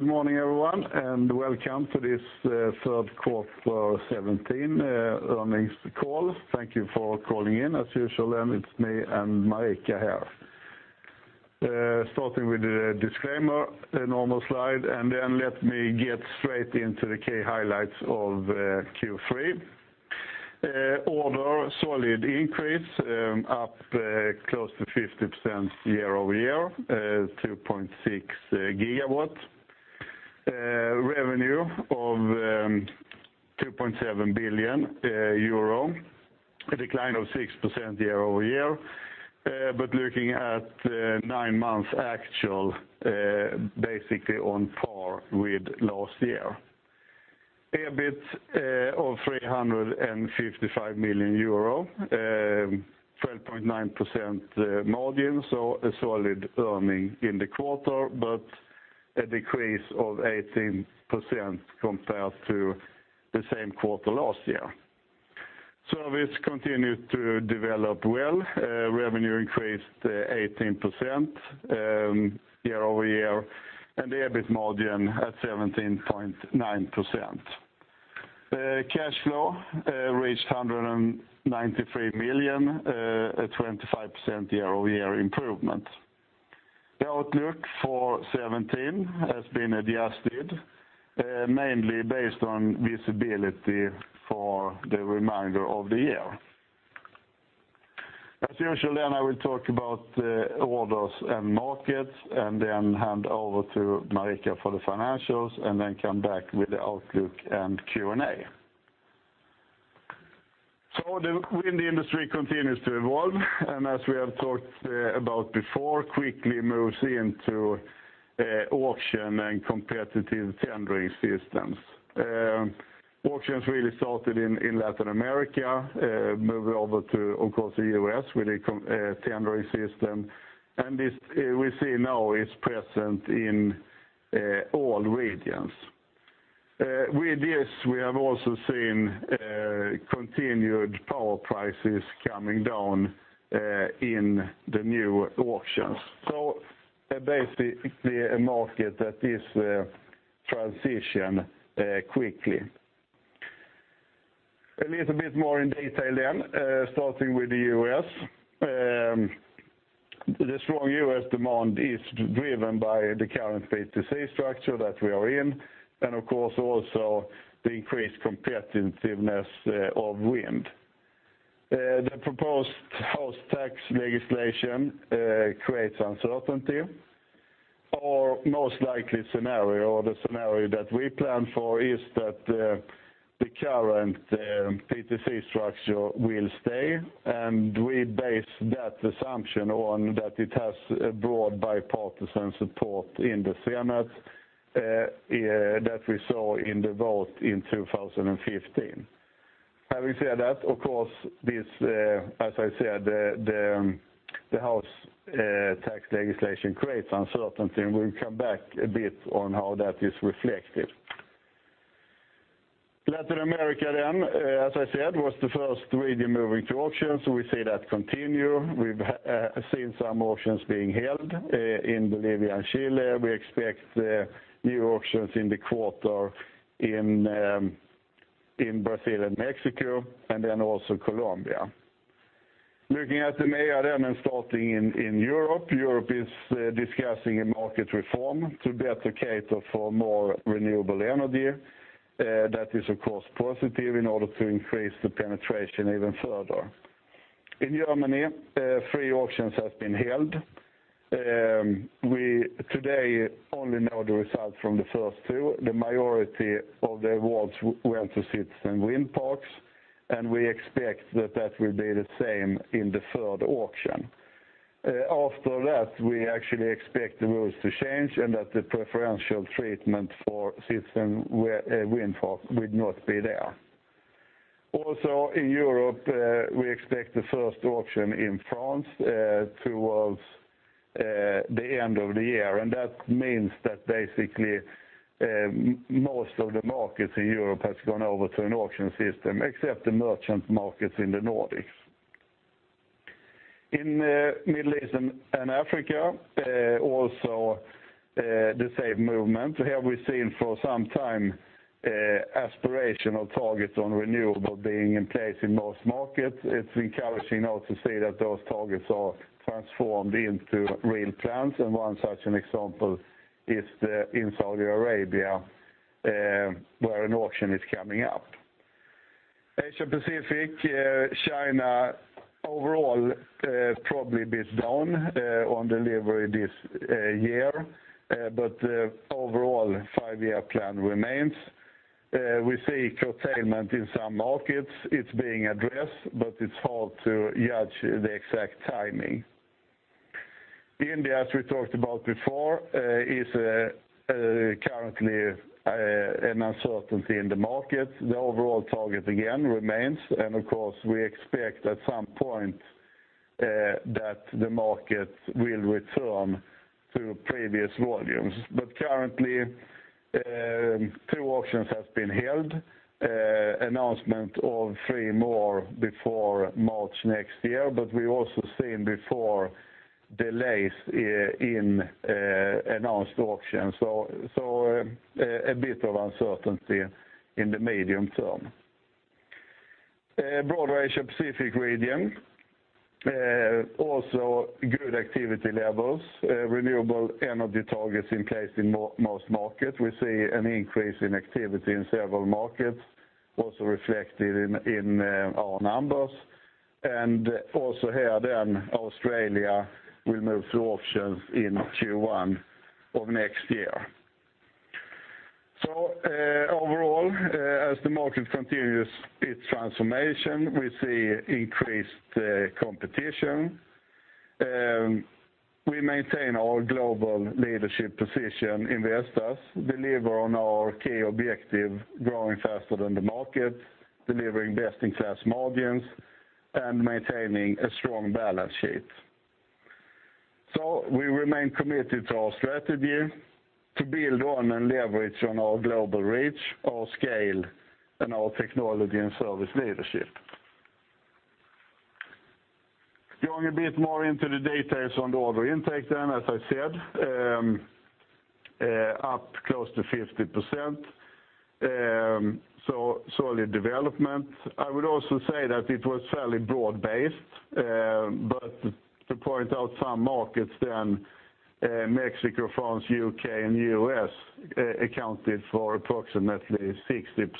Good morning, everyone, and welcome to this third quarter 2017 earnings call. Thank you for calling in. As usual, it is me and Marika here. Starting with the disclaimer, the normal slide. Let me get straight into the key highlights of Q3. Order, solid increase, up close to 50% year-over-year, 2.6 gigawatts. Revenue of 2.7 billion euro, a decline of 6% year-over-year. Looking at nine-month actual, basically on par with last year. EBIT of EUR 355 million, 12.9% margin. A solid earning in the quarter, but a decrease of 18% compared to the same quarter last year. Service continued to develop well. Revenue increased 18% year-over-year. The EBIT margin at 17.9%. Cash flow reached 193 million, a 25% year-over-year improvement. The outlook for 2017 has been adjusted, mainly based on visibility for the remainder of the year. As usual, I will talk about the orders and markets, hand over to Marika for the financials, and come back with the outlook and Q&A. The wind industry continues to evolve, and as we have talked about before, quickly moves into auction and competitive tendering systems. Auctions really started in Latin America, moving over to, of course, the U.S. with a tendering system. We see now it is present in all regions. With this, we have also seen continued power prices coming down in the new auctions. Basically, a market that is transition quickly. A little bit more in detail, starting with the U.S. The strong U.S. demand is driven by the current PTC structure that we are in, and of course, also the increased competitiveness of wind. The proposed House tax legislation creates uncertainty. Our most likely scenario, or the scenario that we plan for, is that the current PTC structure will stay, and we base that assumption on that it has broad bipartisan support in the Senate that we saw in the vote in 2015. Having said that, of course, as I said, the House tax legislation creates uncertainty, and we will come back a bit on how that is reflected. Latin America, as I said, was the first region moving to auctions. We see that continue. We have seen some auctions being held in Bolivia and Chile. We expect new auctions in the quarter in Brazil and Mexico, and also Colombia. Looking at the map and starting in Europe. Europe is discussing a market reform to better cater for more renewable energy. That is, of course, positive in order to increase the penetration even further. In Germany, 3 auctions have been held. We today only know the result from the first two. The majority of the awards went to citizen wind parks, and we expect that that will be the same in the third auction. After that, we actually expect the rules to change and that the preferential treatment for citizen wind parks would not be there. Also in Europe, we expect the first auction in France towards the end of the year, and that means that basically, most of the markets in Europe has gone over to an auction system, except the merchant markets in the Nordics. In Middle East and Africa, also the same movement. Here we have seen for some time aspirational targets on renewable being in place in most markets. It is encouraging also to see that those targets are transformed into real plans, and one such an example is in Saudi Arabia, where an auction is coming up. Asia-Pacific, China overall probably a bit down on delivery this year, the overall five-year plan remains. We see curtailment in some markets. It's being addressed, but it's hard to judge the exact timing. India, as we talked about before, is currently an uncertainty in the market. The overall target again remains, of course, we expect at some point that the market will return to previous volumes. Currently, two auctions have been held. Announcement of three more before March next year, we've also seen before delays in announced auctions. A bit of uncertainty in the medium term. Broad Asia-Pacific region, also good activity levels, renewable energy targets in place in most markets. We see an increase in activity in several markets, also reflected in our numbers. Also here, Australia will move to auctions in Q1 of next year. Overall, as the market continues its transformation, we see increased competition. We maintain our global leadership position in Vestas, deliver on our key objective, growing faster than the market, delivering best-in-class margins, and maintaining a strong balance sheet. We remain committed to our strategy to build on and leverage on our global reach, our scale, and our technology and service leadership. Going a bit more into the details on the order intake, as I said, up close to 50%. Solid development. I would also say that it was fairly broad-based, to point out some markets, Mexico, France, U.K., and U.S. accounted for approximately 60%.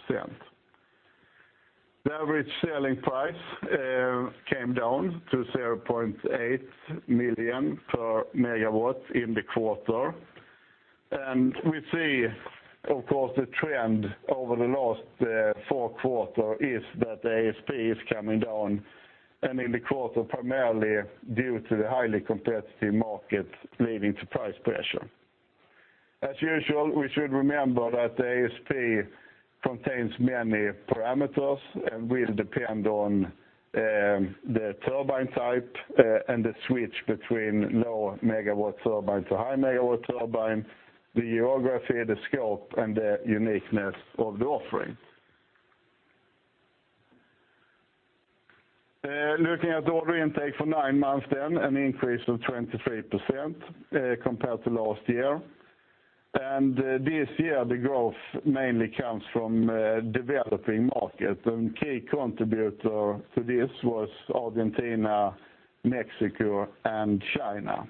The average selling price came down to 0.8 million per megawatt in the quarter. We see, of course, the trend over the last four quarter is that the ASP is coming down, and in the quarter, primarily due to the highly competitive market leading to price pressure. As usual, we should remember that the ASP contains many parameters and will depend on the turbine type and the switch between low-megawatt turbine to high-megawatt turbine, the geography, the scope, and the uniqueness of the offering. Looking at order intake for nine months, an increase of 23% compared to last year. This year, the growth mainly comes from developing markets, and key contributor to this was Argentina, Mexico, and China.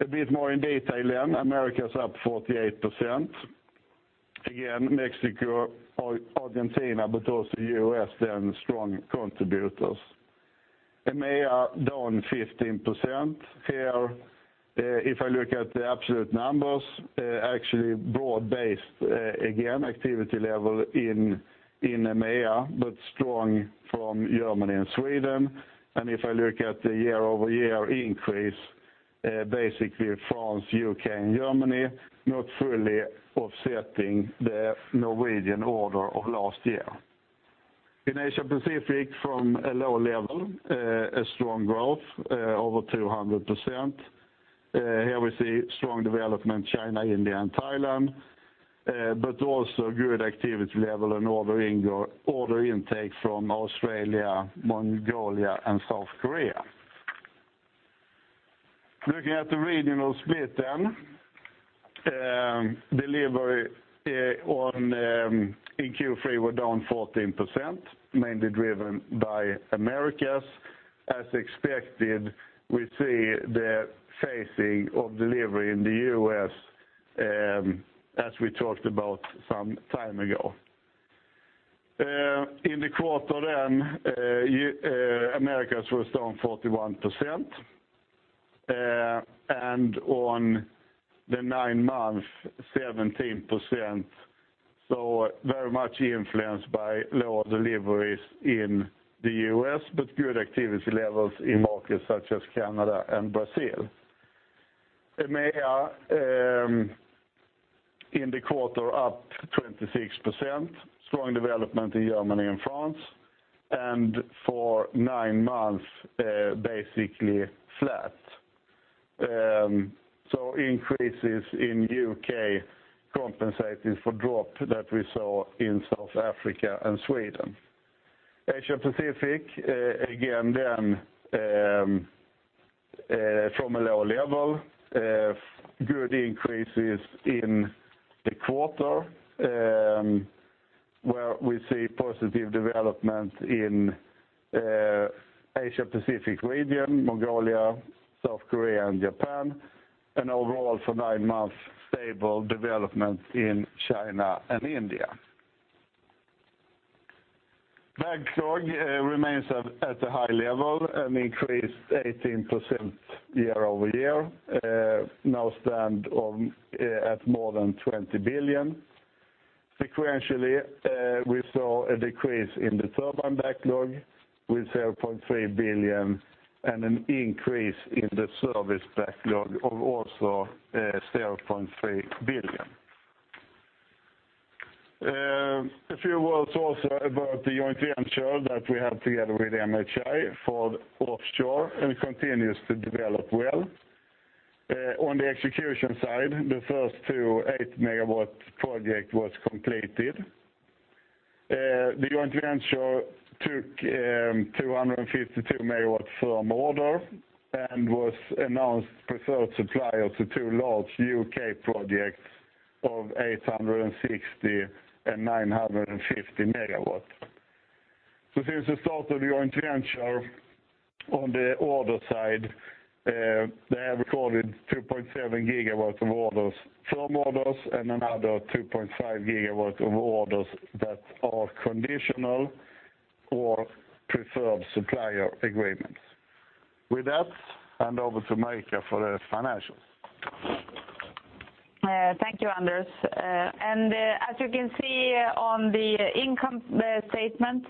A bit more in detail, Americas up 48%. Again, Mexico or Argentina, but also U.S., strong contributors. EMEA down 15%. Here, if I look at the absolute numbers, actually broad-based, again, activity level in EMEA, strong from Germany and Sweden. If I look at the year-over-year increase, basically France, U.K., and Germany, not fully offsetting the Norwegian order of last year. Asia-Pacific, from a low level, a strong growth, over 200%. Here we see strong development China, India, and Thailand, also good activity level and order intake from Australia, Mongolia, and South Korea. Looking at the regional split, delivery in Q3 were down 14%, mainly driven by Americas. As expected, we see the phasing of delivery in the U.S. as we talked about some time ago. In the quarter, Americas was down 41%, and on the nine months, 17%, very much influenced by lower deliveries in the U.S., good activity levels in markets such as Canada and Brazil. EMEA, in the quarter up 26%, strong development in Germany and France, for nine months, basically flat. Increases in U.K. compensated for drop that we saw in South Africa and Sweden. Asia-Pacific, again, from a low level, good increases in the quarter, where we see positive development in Asia-Pacific region, Mongolia, South Korea, and Japan. Overall for nine months, stable development in China and India. Backlog remains at a high level, an increase 18% year-over-year, now stand at more than 20 billion. Sequentially, we saw a decrease in the turbine backlog with 7.3 billion and an increase in the service backlog of also 7.3 billion. A few words also about the joint venture that we have together with MHI for offshore and continues to develop well. On the execution side, the first two 8-megawatt project was completed. The joint venture took 252 megawatts firm order, and was announced preferred supplier to two large U.K. projects of 860 and 950 megawatts. Since the start of the joint venture on the order side, they have recorded 2.7 gigawatts of firm orders and another 2.5 gigawatts of orders that are conditional or preferred supplier agreements. With that, hand over to Marika for the financials. Thank you, Anders. As you can see on the income statement,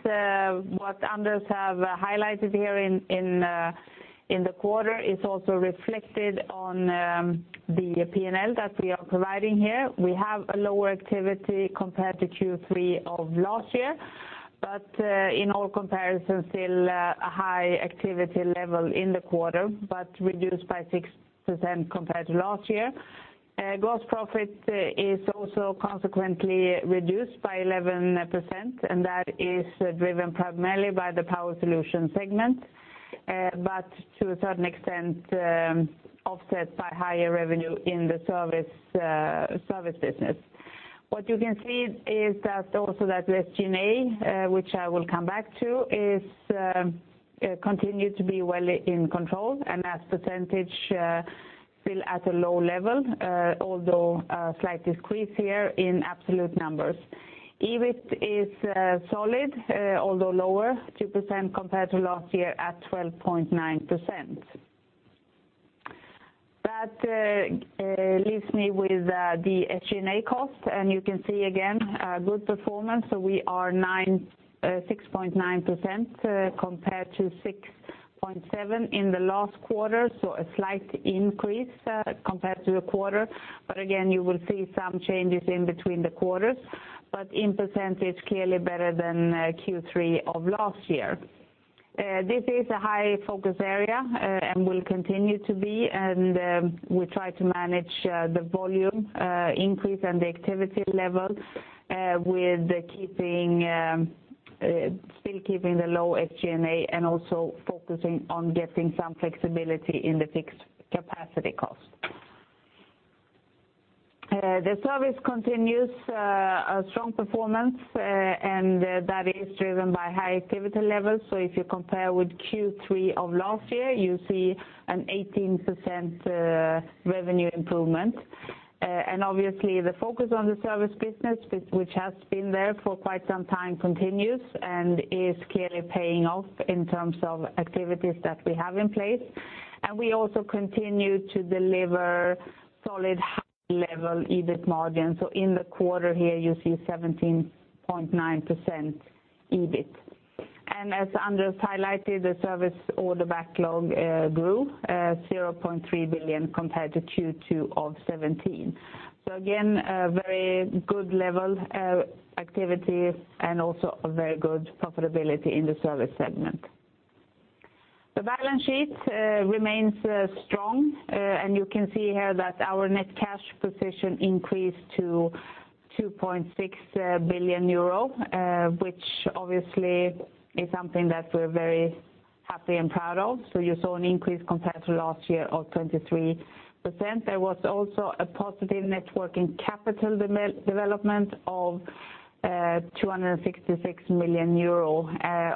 what Anders have highlighted here in the quarter is also reflected on the P&L that we are providing here. We have a lower activity compared to Q3 of last year, but in all comparisons, still a high activity level in the quarter, but reduced by 6% compared to last year. Gross profit is also consequently reduced by 11%, and that is driven primarily by the Power Solutions segment, but to a certain extent, offset by higher revenue in the service business. What you can see is that also that SG&A, which I will come back to, continues to be well in control, and as percentage, still at a low level, although a slight increase here in absolute numbers. EBIT is solid, although lower 2% compared to last year at 12.9%. That leaves me with the SG&A cost, you can see again a good performance. We are 6.9% compared to 6.7% in the last quarter, a slight increase compared to the quarter. Again, you will see some changes in between the quarters, but in percentage, clearly better than Q3 of last year. This is a high focus area and will continue to be, we try to manage the volume increase and the activity level with still keeping the low SG&A and also focusing on getting some flexibility in the fixed capacity cost. The service continues a strong performance, that is driven by high activity levels. If you compare with Q3 of last year, you see an 18% revenue improvement. Obviously the focus on the service business, which has been there for quite some time, continues and is clearly paying off in terms of activities that we have in place. We also continue to deliver solid, high level EBIT margins. In the quarter here, you see 17.9% EBIT. As Anders highlighted, the service order backlog grew 0.3 billion compared to Q2 of 2017. Again, a very good level of activity and also a very good profitability in the service segment. The balance sheet remains strong, and you can see here that our net cash position increased to 2.6 billion euro, which obviously is something that we're very happy and proud of. You saw an increase compared to last year of 23%. There was also a positive net working capital development of 266 million euro,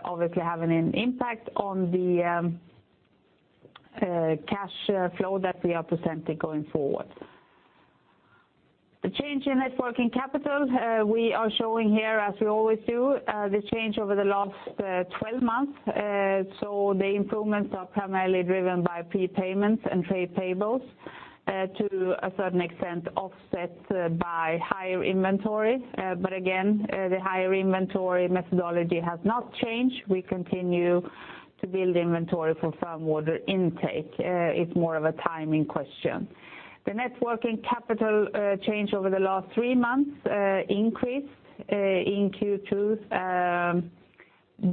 obviously having an impact on the cash flow that we are presenting going forward. The change in net working capital, we are showing here, as we always do, the change over the last 12 months. The improvements are primarily driven by prepayments and trade payables, to a certain extent, offset by higher inventory. Again, the higher inventory methodology has not changed. We continue to build inventory for firm order intake. It's more of a timing question. The net working capital change over the last three months increased in Q2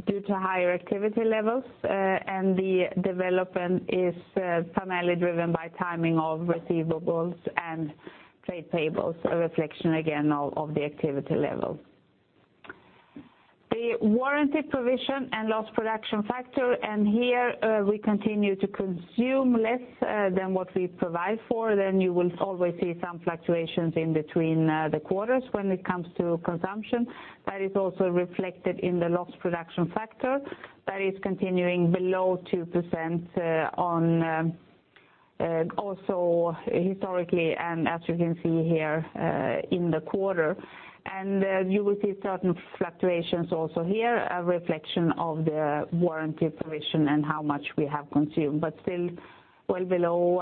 due to higher activity levels, and the development is primarily driven by timing of receivables and trade payables, a reflection, again, of the activity level. The warranty provision and loss production factor, here we continue to consume less than what we provide for. You will always see some fluctuations in between the quarters when it comes to consumption. That is also reflected in the loss production factor that is continuing below 2% also historically and as you can see here in the quarter. You will see certain fluctuations also here, a reflection of the warranty provision and how much we have consumed, but still well below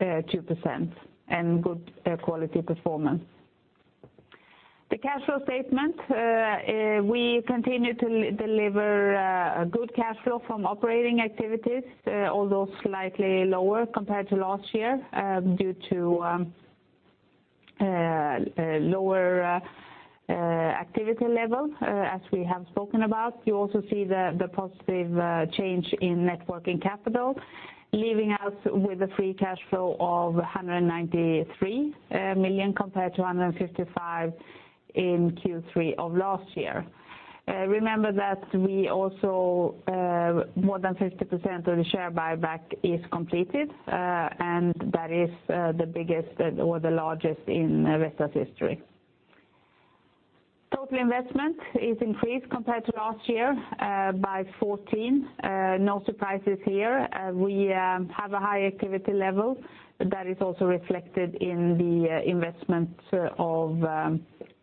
2% and good quality performance. The cash flow statement, we continue to deliver good cash flow from operating activities, although slightly lower compared to last year, due to lower activity level, as we have spoken about. You also see the positive change in net working capital, leaving us with a free cash flow of 193 million compared to 155 in Q3 of last year. Remember that more than 50% of the share buyback is completed, that is the biggest or the largest in Vestas history. Total investment is increased compared to last year by 14. No surprises here. We have a high activity level that is also reflected in the investment of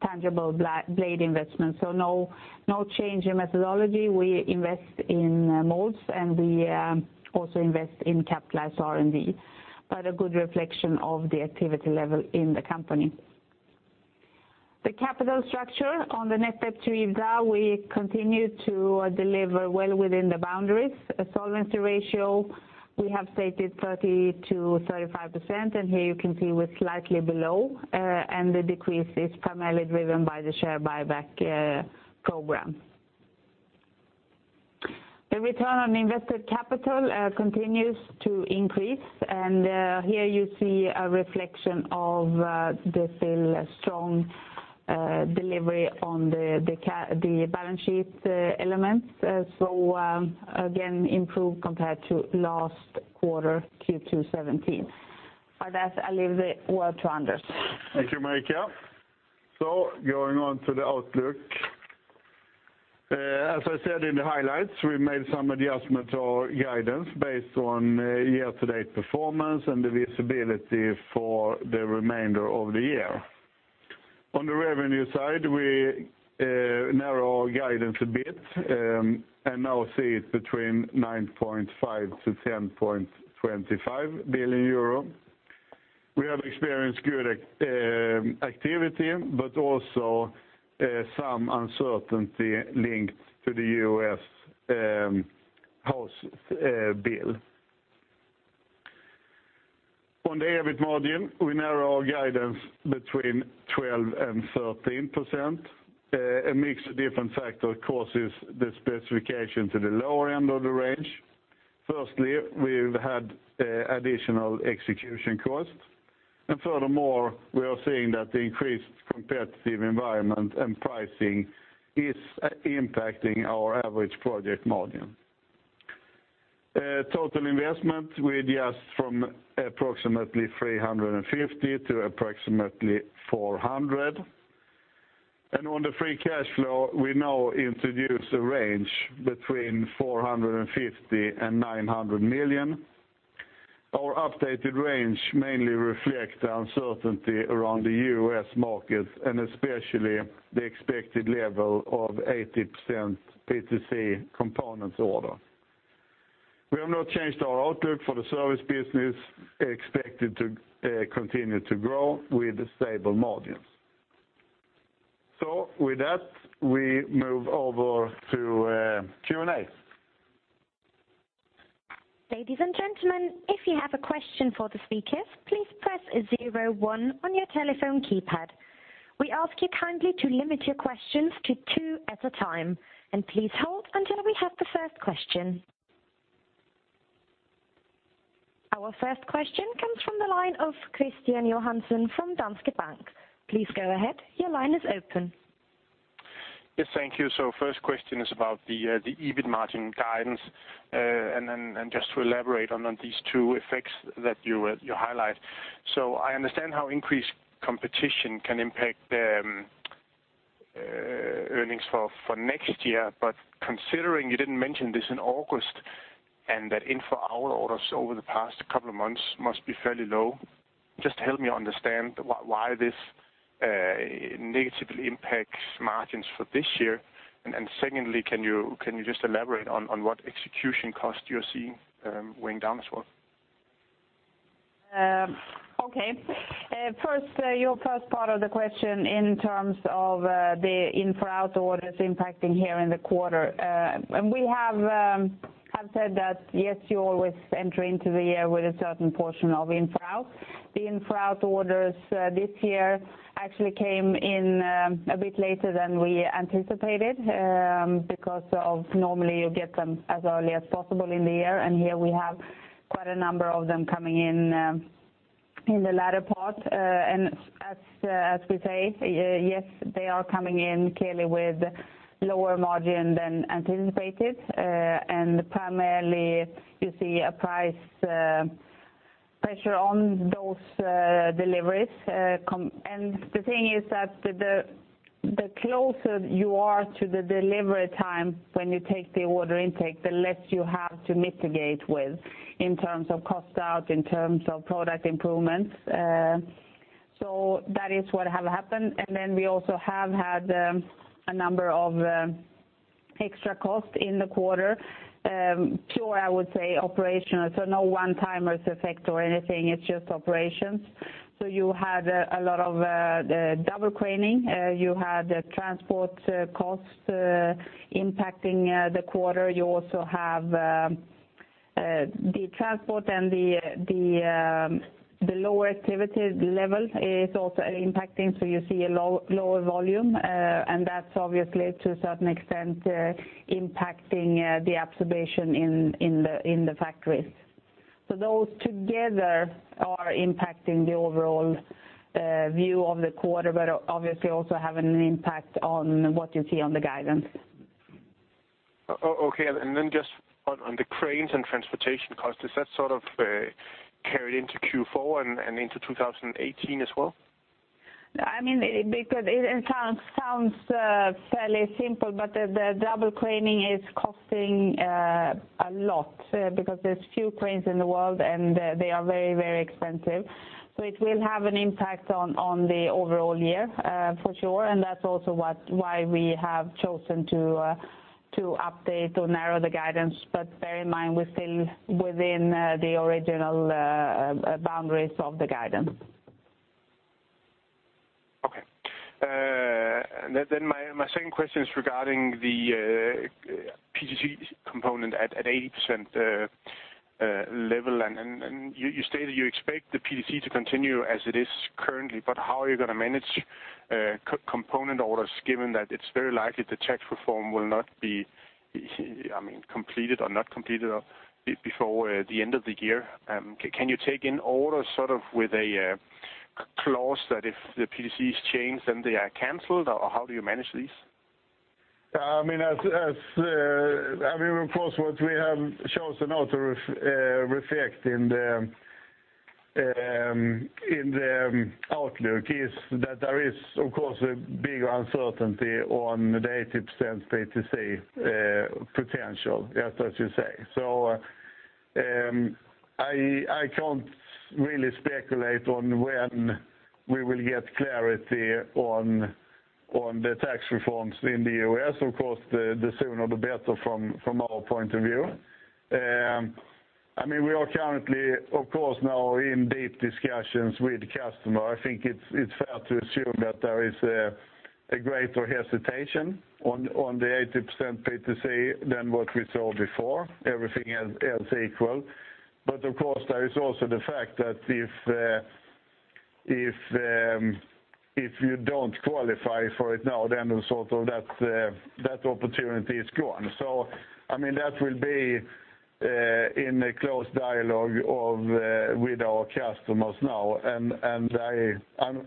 tangible blade investment. No change in methodology. We invest in molds, and we also invest in capitalized R&D, a good reflection of the activity level in the company. The capital structure on the net debt to EBITDA, we continue to deliver well within the boundaries. Solvency ratio, we have stated 30%-35%, here you can see we're slightly below, the decrease is primarily driven by the share buyback program. The return on invested capital continues to increase, here you see a reflection of the still strong delivery on the balance sheet elements. Again, improved compared to last quarter, Q2 2017. With that, I leave the floor to Anders. Thank you, Marika. Going on to the outlook. As I said in the highlights, we made some adjustments to our guidance based on year-to-date performance and the visibility for the remainder of the year. On the revenue side, we narrow our guidance a bit, now see it between 9.5 billion and 10.25 billion euro. We have experienced good activity, but also some uncertainty linked to the U.S. House bill. On the EBIT margin, we narrow our guidance between 12% and 13%. A mix of different factors causes the specification to the lower end of the range. Firstly, we have had additional execution costs. Furthermore, we are seeing that the increased competitive environment and pricing is impacting our average project margin. Total investment, we adjust from approximately 350 to approximately 400. On the free cash flow, we now introduce a range between 450 million and 900 million. Our updated range mainly reflects the uncertainty around the U.S. market, especially the expected level of 80% PTC components order. We have not changed our outlook for the service business, expected to continue to grow with stable margins. With that, we move over to Q&A. Ladies and gentlemen, if you have a question for the speakers, please press 01 on your telephone keypad. We ask you kindly to limit your questions to two at a time, please hold until we have the first question. Our first question comes from the line of Kristian Johansen from Danske Bank. Please go ahead. Your line is open. Yes, thank you. First question is about the EBIT margin guidance, just to elaborate on these two effects that you highlight. I understand how increased competition can impact the earnings for next year. Considering you didn't mention this in August, that in-for-out orders over the past couple of months must be fairly low, just help me understand why this negatively impacts margins for this year. Secondly, can you just elaborate on what execution costs you're seeing weighing down as well? Okay. Your first part of the question in terms of the in-for-out orders impacting here in the quarter. We have said that, yes, you always enter into the year with a certain portion of in-for-out. The in-for-out orders this year actually came in a bit later than we anticipated, because normally you get them as early as possible in the year, here we have quite a number of them coming in the latter part. As we say, yes, they are coming in clearly with lower margin than anticipated. Primarily, you see a price pressure on those deliveries. The thing is that the closer you are to the delivery time when you take the order intake, the less you have to mitigate with in terms of cost out, in terms of product improvements. That is what have happened. We also have had a number of extra costs in the quarter. Pure, I would say, operational. No one-timers effect or anything, it's just operations. You had a lot of double craning. You had transport costs impacting the quarter. You also have the transport and the lower activity level is also impacting, you see a lower volume. That's obviously, to a certain extent, impacting the absorption in the factories. Those together are impacting the overall view of the quarter, but obviously also have an impact on what you see on the guidance. Okay. Just on the cranes and transportation costs, does that sort of carry into Q4 and into 2018 as well? It sounds fairly simple, the double craning is costing a lot, because there's few cranes in the world, and they are very, very expensive. It will have an impact on the overall year for sure. That's also why we have chosen to update or narrow the guidance. Bear in mind, we're still within the original boundaries of the guidance. Okay. My second question is regarding the PTC component at 80% level, you stated you expect the PTC to continue as it is currently, how are you going to manage component orders, given that it's very likely the tax reform will not be completed or not completed before the end of the year? Can you take in orders sort of with a clause that if the PTC is changed, then they are canceled? How do you manage these? Of course, what we have chosen now to reflect in the outlook is that there is, of course, a big uncertainty on the December's PTC potential, as you say. I can't really speculate on when we will get clarity on the tax reforms in the U.S. Of course, the sooner the better from our point of view. We are currently, of course, now in deep discussions with customers. I think it's fair to assume that there is a greater hesitation on the 80% PTC than what we saw before, everything else equal. Of course, there is also the fact that if you don't qualify for it now, then sort of that opportunity is gone. That will be in a close dialogue with our customers now.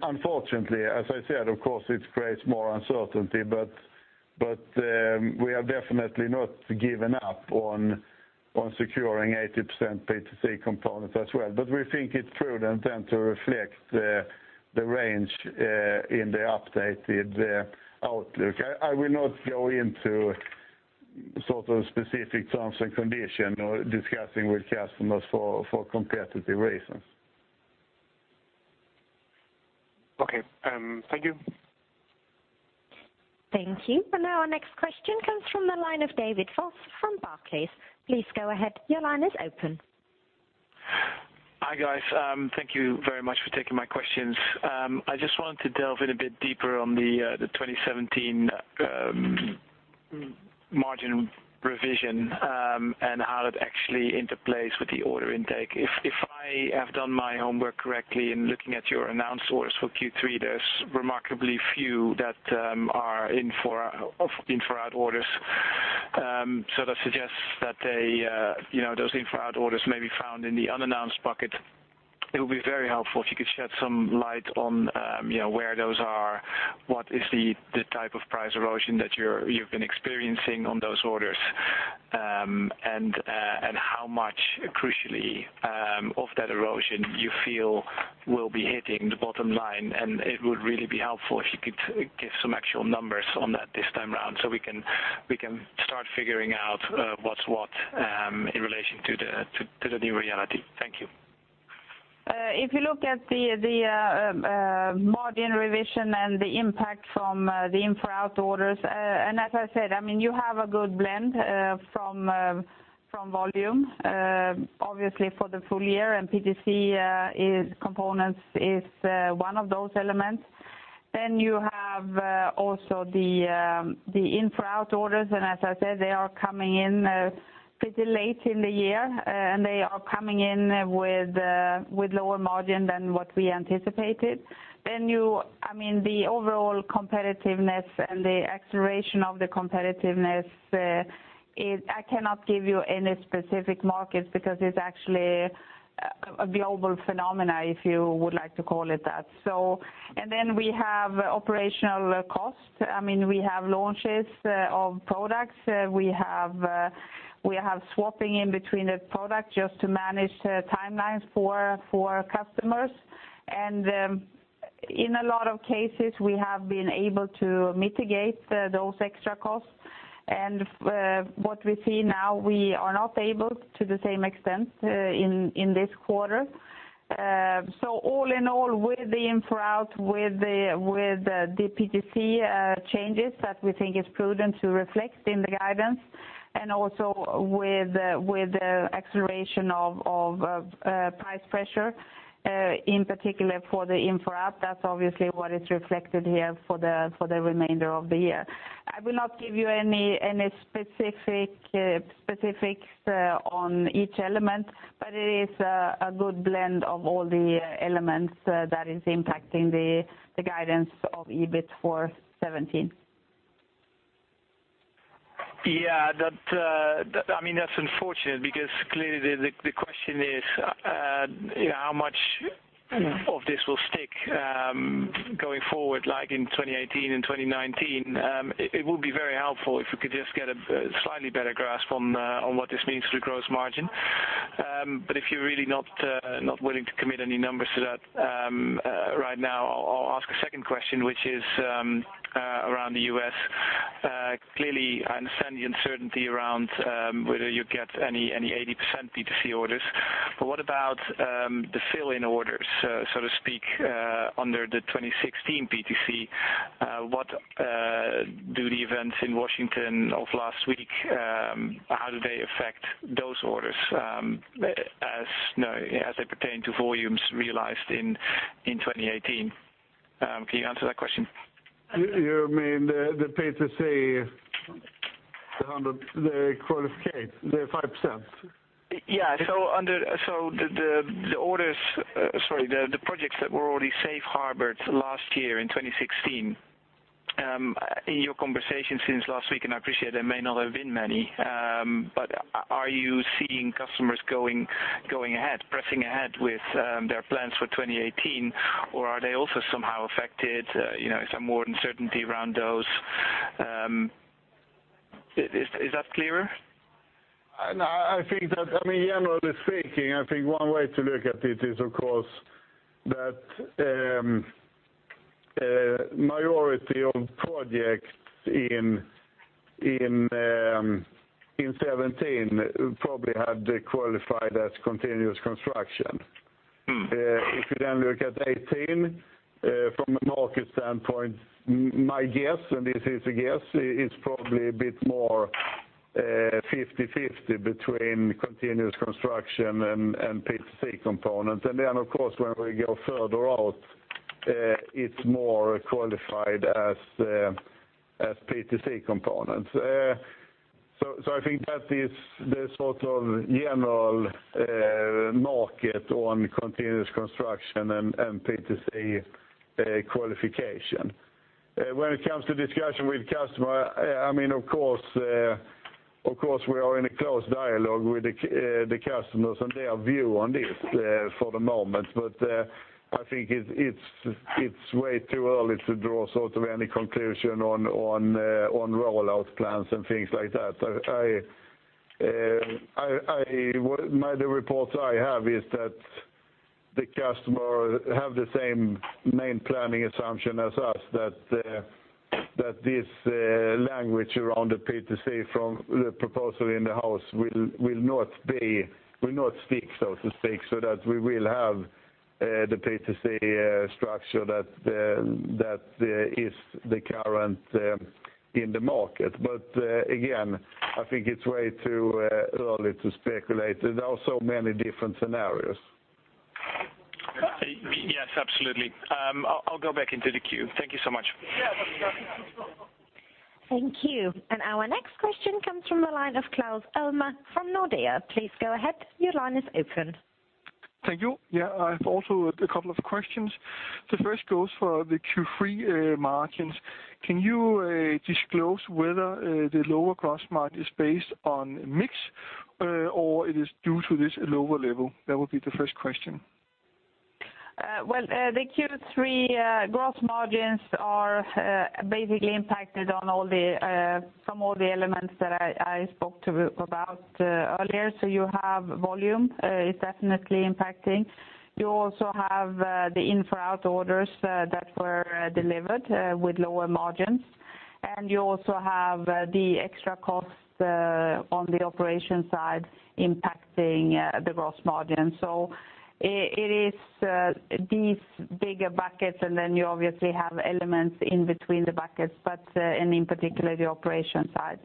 Unfortunately, as I said, of course, it creates more uncertainty. We have definitely not given up on securing 80% PTC components as well. We think it's prudent then to reflect the range in the updated outlook. I will not go into specific terms and conditions or discussing with customers for competitive reasons. Okay. Thank you. Thank you. Now our next question comes from the line of David Vos from Barclays. Please go ahead. Your line is open. Hi, guys. Thank you very much for taking my questions. I just wanted to delve in a bit deeper on the 2017 margin revision, how that actually interplays with the order intake. If I have done my homework correctly in looking at your announced orders for Q3, there's remarkably few that are in-for-out orders. That suggests that those in-for-out orders may be found in the unannounced bucket. It would be very helpful if you could shed some light on where those are, what is the type of price erosion that you've been experiencing on those orders, and how much, crucially, of that erosion you feel will be hitting the bottom line. It would really be helpful if you could give some actual numbers on that this time around, so we can start figuring out what's what in relation to the new reality. Thank you. If you look at the margin revision the impact from the in-for-out orders, as I said, you have a good blend from volume, obviously for the full year, PTC components is one of those elements. You have also the in-for-out orders, as I said, they are coming in pretty late in the year, they are coming in with lower margin than what we anticipated. The overall competitiveness and the acceleration of the competitiveness, I cannot give you any specific markets because it's actually a global phenomena, if you would like to call it that. Then we have operational costs. We have launches of products. We have swapping in between the product just to manage timelines for customers. In a lot of cases, we have been able to mitigate those extra costs. What we see now, we are not able to the same extent in this quarter. All in all, with the in-for-out, with the PTC changes that we think is prudent to reflect in the guidance, and also with the acceleration of price pressure, in particular for the in-for-out, that is obviously what is reflected here for the remainder of the year. I will not give you any specifics on each element, but it is a good blend of all the elements that is impacting the guidance of EBIT for 2017. Yeah. That is unfortunate because clearly the question is how much of this will stick going forward, like in 2018 and 2019? It would be very helpful if we could just get a slightly better grasp on what this means for the gross margin. If you are really not willing to commit any numbers to that right now, I will ask a second question, which is around the U.S. Clearly, I understand the uncertainty around whether you get any 80% PTC orders, but what about the fill-in orders, so to speak, under the 2016 PTC? What do the events in Washington of last week, how do they affect those orders as they pertain to volumes realized in 2018? Can you answer that question? You mean the PTC, they qualify the 5%? Yeah. The projects that were already safe harbored last year in 2016, in your conversation since last week, and I appreciate there may not have been many, but are you seeing customers going ahead, pressing ahead with their plans for 2018 or are they also somehow affected? Is there more uncertainty around those? Is that clearer? I think that, generally speaking, I think one way to look at it is, of course, that majority of projects in 2017 probably had qualified as continuous construction. Looking at 2018, from a market standpoint, my guess, and this is a guess, it's probably a bit more 50/50 between continuous construction and PTC components. Of course, when we go further out, it's more qualified as PTC components. I think that is the general market on continuous construction and PTC qualification. When it comes to discussion with customer, of course we are in a close dialogue with the customers and their view on this for the moment. I think it's way too early to draw any conclusion on rollout plans and things like that. The reports I have is that the customer have the same main planning assumption as us that this language around the PTC from the proposal in the house will not stick, so to speak, so that we will have the PTC structure that is the current in the market. Again, I think it's way too early to speculate. There are so many different scenarios. Yes, absolutely. I'll go back into the queue. Thank you so much. Thank you. Our next question comes from the line of Claus Almer from Nordea. Please go ahead, your line is open. Thank you. Yeah, I have also a couple of questions. The first goes for the Q3 margins. Can you disclose whether the lower gross margin is based on mix or it is due to this lower level? That would be the first question. Well, the Q3 gross margins are basically impacted from all the elements that I spoke to about earlier. You have volume, it's definitely impacting. You also have the in-for-out orders that were delivered with lower margins. You also have the extra cost on the operation side impacting the gross margin. It is these bigger buckets, and then you obviously have elements in between the buckets, and in particular the operation side.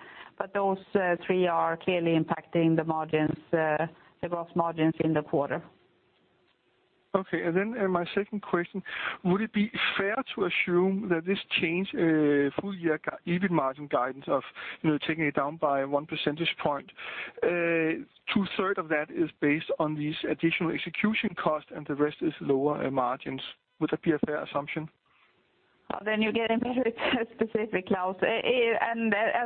Those three are clearly impacting the gross margins in the quarter. Okay, then my second question, would it be fair to assume that this change full year EBIT margin guidance of taking it down by one percentage point, two third of that is based on these additional execution costs and the rest is lower margins. Would that be a fair assumption? You're getting very specific, Claus. As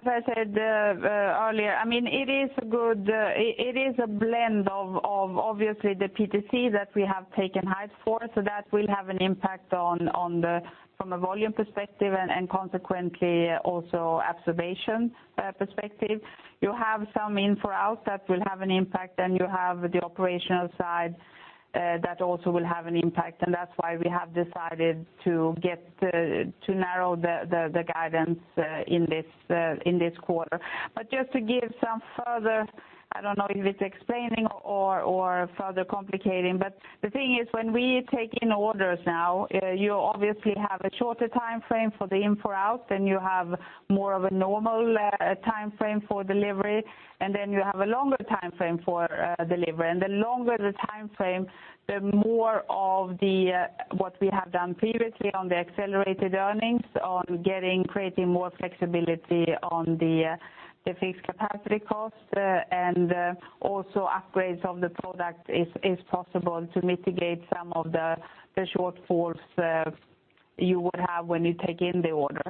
I said earlier, it is a blend of obviously the PTC that we have taken height for, so that will have an impact from a volume perspective and consequently also absorption perspective. You have some in-for-outs that will have an impact, and you have the operational side that also will have an impact, and that's why we have decided to narrow the guidance in this quarter. Just to give some further, I don't know if it's explaining or further complicating, but the thing is when we take in orders now, you obviously have a shorter timeframe for the in-for-out, then you have more of a normal timeframe for delivery, and then you have a longer timeframe for delivery. The longer the timeframe, the more of what we have done previously on the accelerated earnings on creating more flexibility on the fixed capacity cost and also upgrades of the product is possible to mitigate some of the shortfalls you would have when you take in the order.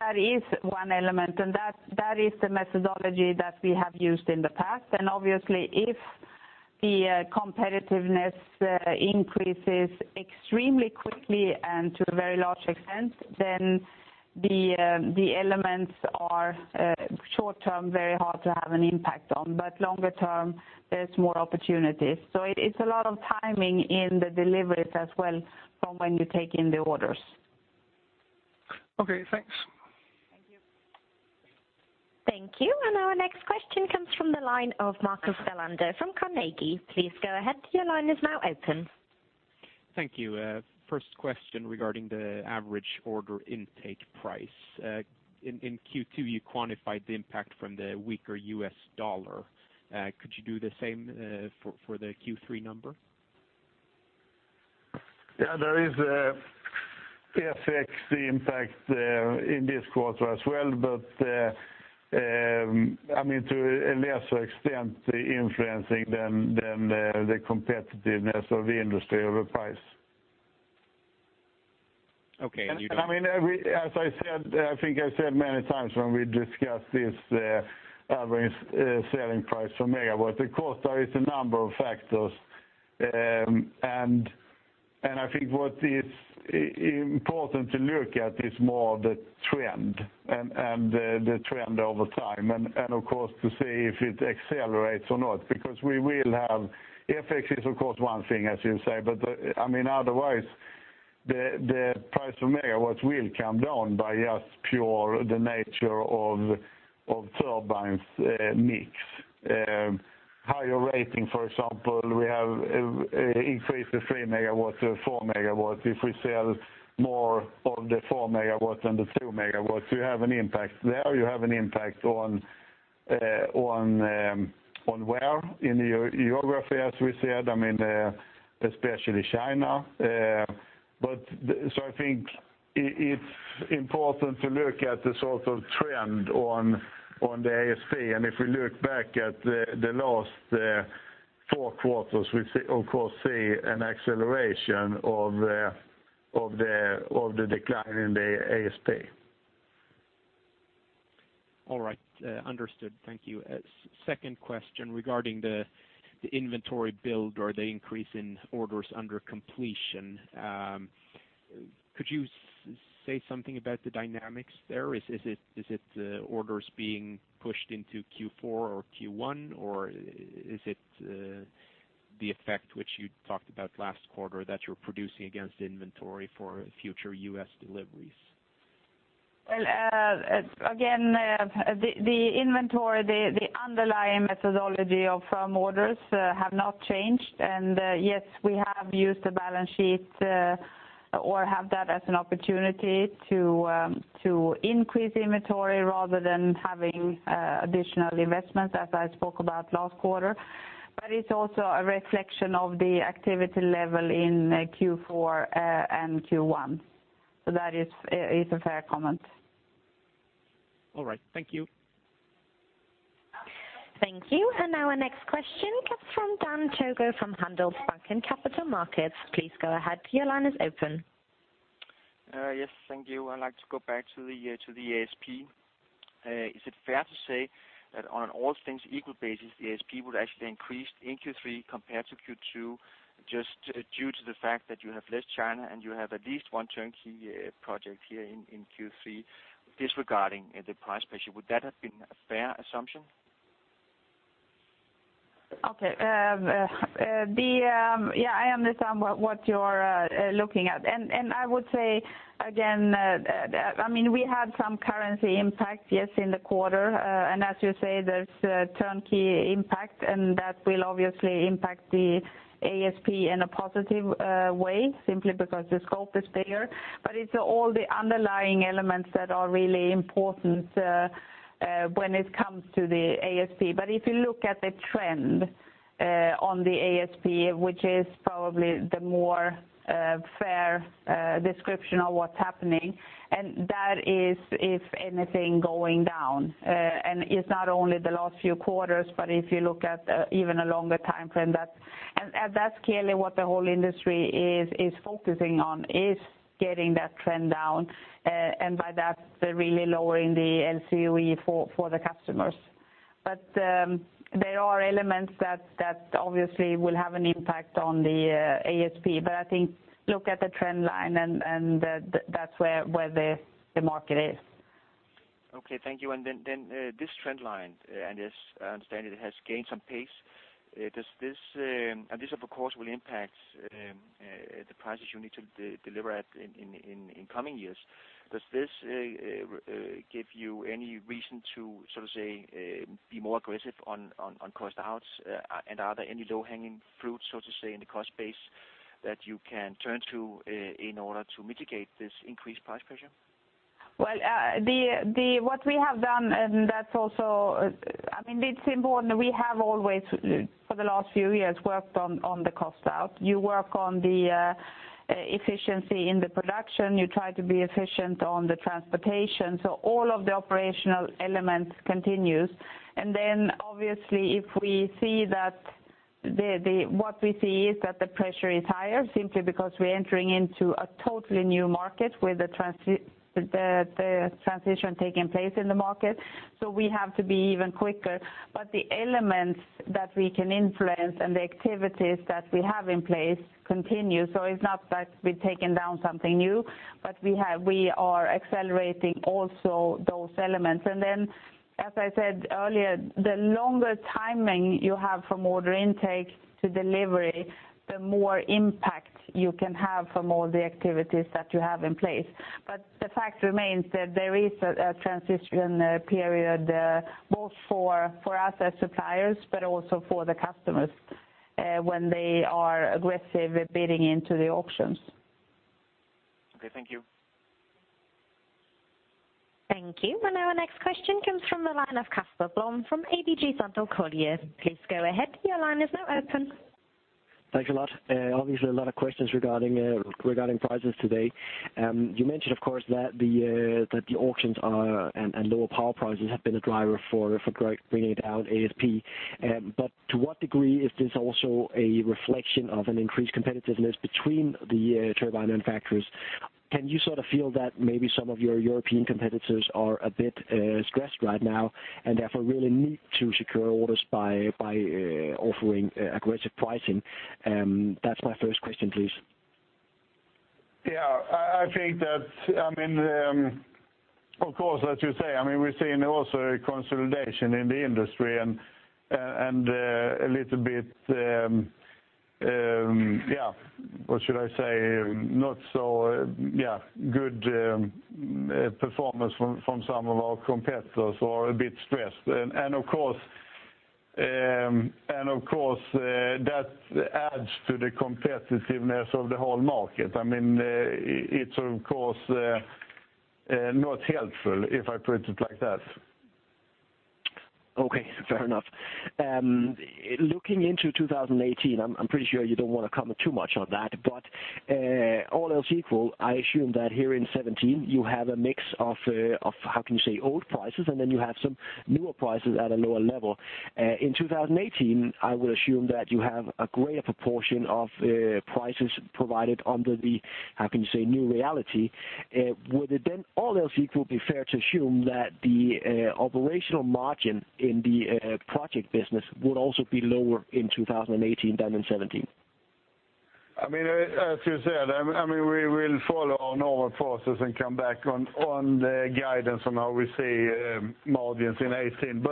That is one element and that is the methodology that we have used in the past. Obviously if the competitiveness increases extremely quickly and to a very large extent, then the elements are short-term, very hard to have an impact on, but longer term, there's more opportunities. It's a lot of timing in the deliveries as well from when you take in the orders. Okay, thanks. Thank you. Thank you. Our next question comes from the line of Marcus Selander from Carnegie. Please go ahead, your line is now open. Thank you. First question regarding the average order intake price. In Q2, you quantified the impact from the weaker US dollar. Could you do the same for the Q3 number? Yeah, there is a FX impact in this quarter as well, to a lesser extent influencing than the competitiveness of the industry over price. Okay. I think I've said many times when we discussed this average selling price for megawatts, of course, there is a number of factors. I think what is important to look at is more the trend and the trend over time and of course to see if it accelerates or not, because we will have FX is of course one thing, as you say, but otherwise, the price of megawatts will come down by just pure the nature of turbines mix. Higher rating, for example, we have increased the 3 megawatts to 4 megawatts. If we sell more of the 4 megawatts than the 2 megawatts, you have an impact there, you have an impact on where in your geography, as we said, especially China. I think it's important to look at the sort of trend on the ASP. If we look back at the last 4 quarters, we of course see an acceleration of the decline in the ASP. All right. Understood. Thank you. Second question regarding the inventory build or the increase in orders under completion. Could you say something about the dynamics there? Is it orders being pushed into Q4 or Q1 or is it the effect which you talked about last quarter that you're producing against inventory for future U.S. deliveries? Well, again, the inventory, the underlying methodology of firm orders have not changed. Yes, we have used the balance sheet or have that as an opportunity to increase inventory rather than having additional investments as I spoke about last quarter. It's also a reflection of the activity level in Q4 and Q1. That is a fair comment. All right. Thank you. Thank you. Now our next question comes from Dan Togo Jensen from Handelsbanken Capital Markets. Please go ahead, your line is open. Yes. Thank you. I'd like to go back to the ASP. Is it fair to say that on an all things equal basis, the ASP would actually increase in Q3 compared to Q2 just due to the fact that you have less China and you have at least one turnkey project here in Q3 disregarding the price pressure? Would that have been a fair assumption? Okay. Yeah, I understand what you're looking at. I would say again, we had some currency impact, yes, in the quarter. As you say, there's turnkey impact, and that will obviously impact the ASP in a positive way simply because the scope is bigger. It's all the underlying elements that are really important when it comes to the ASP. If you look at the trend on the ASP, which is probably the more fair description of what's happening, that is, if anything, going down. It's not only the last few quarters, but if you look at even a longer timeframe, that's clearly what the whole industry is focusing on, is getting that trend down, and by that, really lowering the LCOE for the customers. There are elements that obviously will have an impact on the ASP, but I think look at the trend line and that's where the market is. Okay, thank you. This trend line, as I understand it, has gained some pace. This, of course, will impact the prices you need to deliver at in coming years. Does this give you any reason to, so to say, be more aggressive on cost outs? Are there any low-hanging fruits, so to say, in the cost base that you can turn to in order to mitigate this increased price pressure? What we have done, and that's also, it's important, we have always, for the last few years, worked on the cost out. You work on the efficiency in the production, you try to be efficient on the transportation. All of the operational elements continues. Obviously, what we see is that the pressure is higher simply because we're entering into a totally new market with the transition taking place in the market. We have to be even quicker, but the elements that we can influence and the activities that we have in place continue. It's not that we've taken down something new, but we are accelerating also those elements. As I said earlier, the longer timing you have from order intake to delivery, the more impact you can have from all the activities that you have in place. The fact remains that there is a transition period, both for us as suppliers, but also for the customers, when they are aggressive at bidding into the auctions. Okay, thank you. Thank you. Our next question comes from the line of Casper Blom from ABG Sundal Collier. Please go ahead. Your line is now open. Thanks a lot. Obviously, a lot of questions regarding prices today. You mentioned, of course, that the auctions are, and lower power prices have been a driver for bringing down ASP. To what degree is this also a reflection of an increased competitiveness between the turbine manufacturers? Can you sort of feel that maybe some of your European competitors are a bit stressed right now and therefore really need to secure orders by offering aggressive pricing? That's my first question, please. Yeah, I think that, of course, as you say, we're seeing also a consolidation in the industry and a little bit, what should I say? Not so good performance from some of our competitors who are a bit stressed. Of course, that adds to the competitiveness of the whole market. It's of course not helpful, if I put it like that. Okay, fair enough. Looking into 2018, I'm pretty sure you don't want to comment too much on that. All else equal, I assume that here in 2017, you have a mix of, how can you say, old prices, and then you have some newer prices at a lower level. In 2018, I would assume that you have a greater proportion of prices provided under the, how can you say, new reality. Would it, all else equal, be fair to assume that the operational margin in the project business would also be lower in 2018 than in 2017? As you said, we will follow our normal process and come back on the guidance on how we see margins in 2018.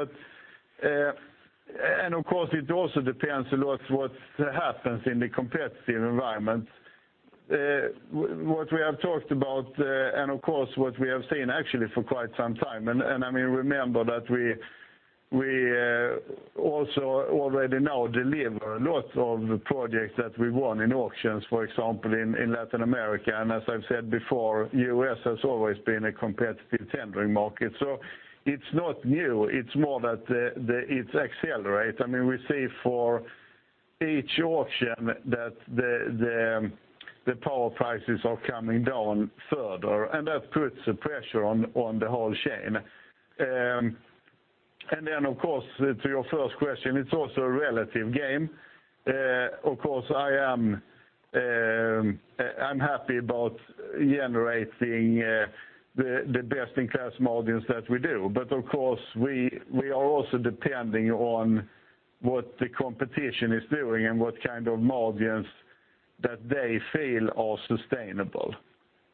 Of course, it also depends a lot what happens in the competitive environment. What we have talked about, and of course, what we have seen actually for quite some time, and remember that we also already now deliver a lot of the projects that we won in auctions, for example, in Latin America. As I've said before, U.S. has always been a competitive tendering market, so it's not new. It's more that it's accelerate. We see for each auction that the power prices are coming down further, and that puts a pressure on the whole chain. Of course, to your first question, it's also a relative game. Of course, I'm happy about generating the best-in-class margins that we do. Of course, we are also depending on what the competition is doing and what kind of margins that they feel are sustainable.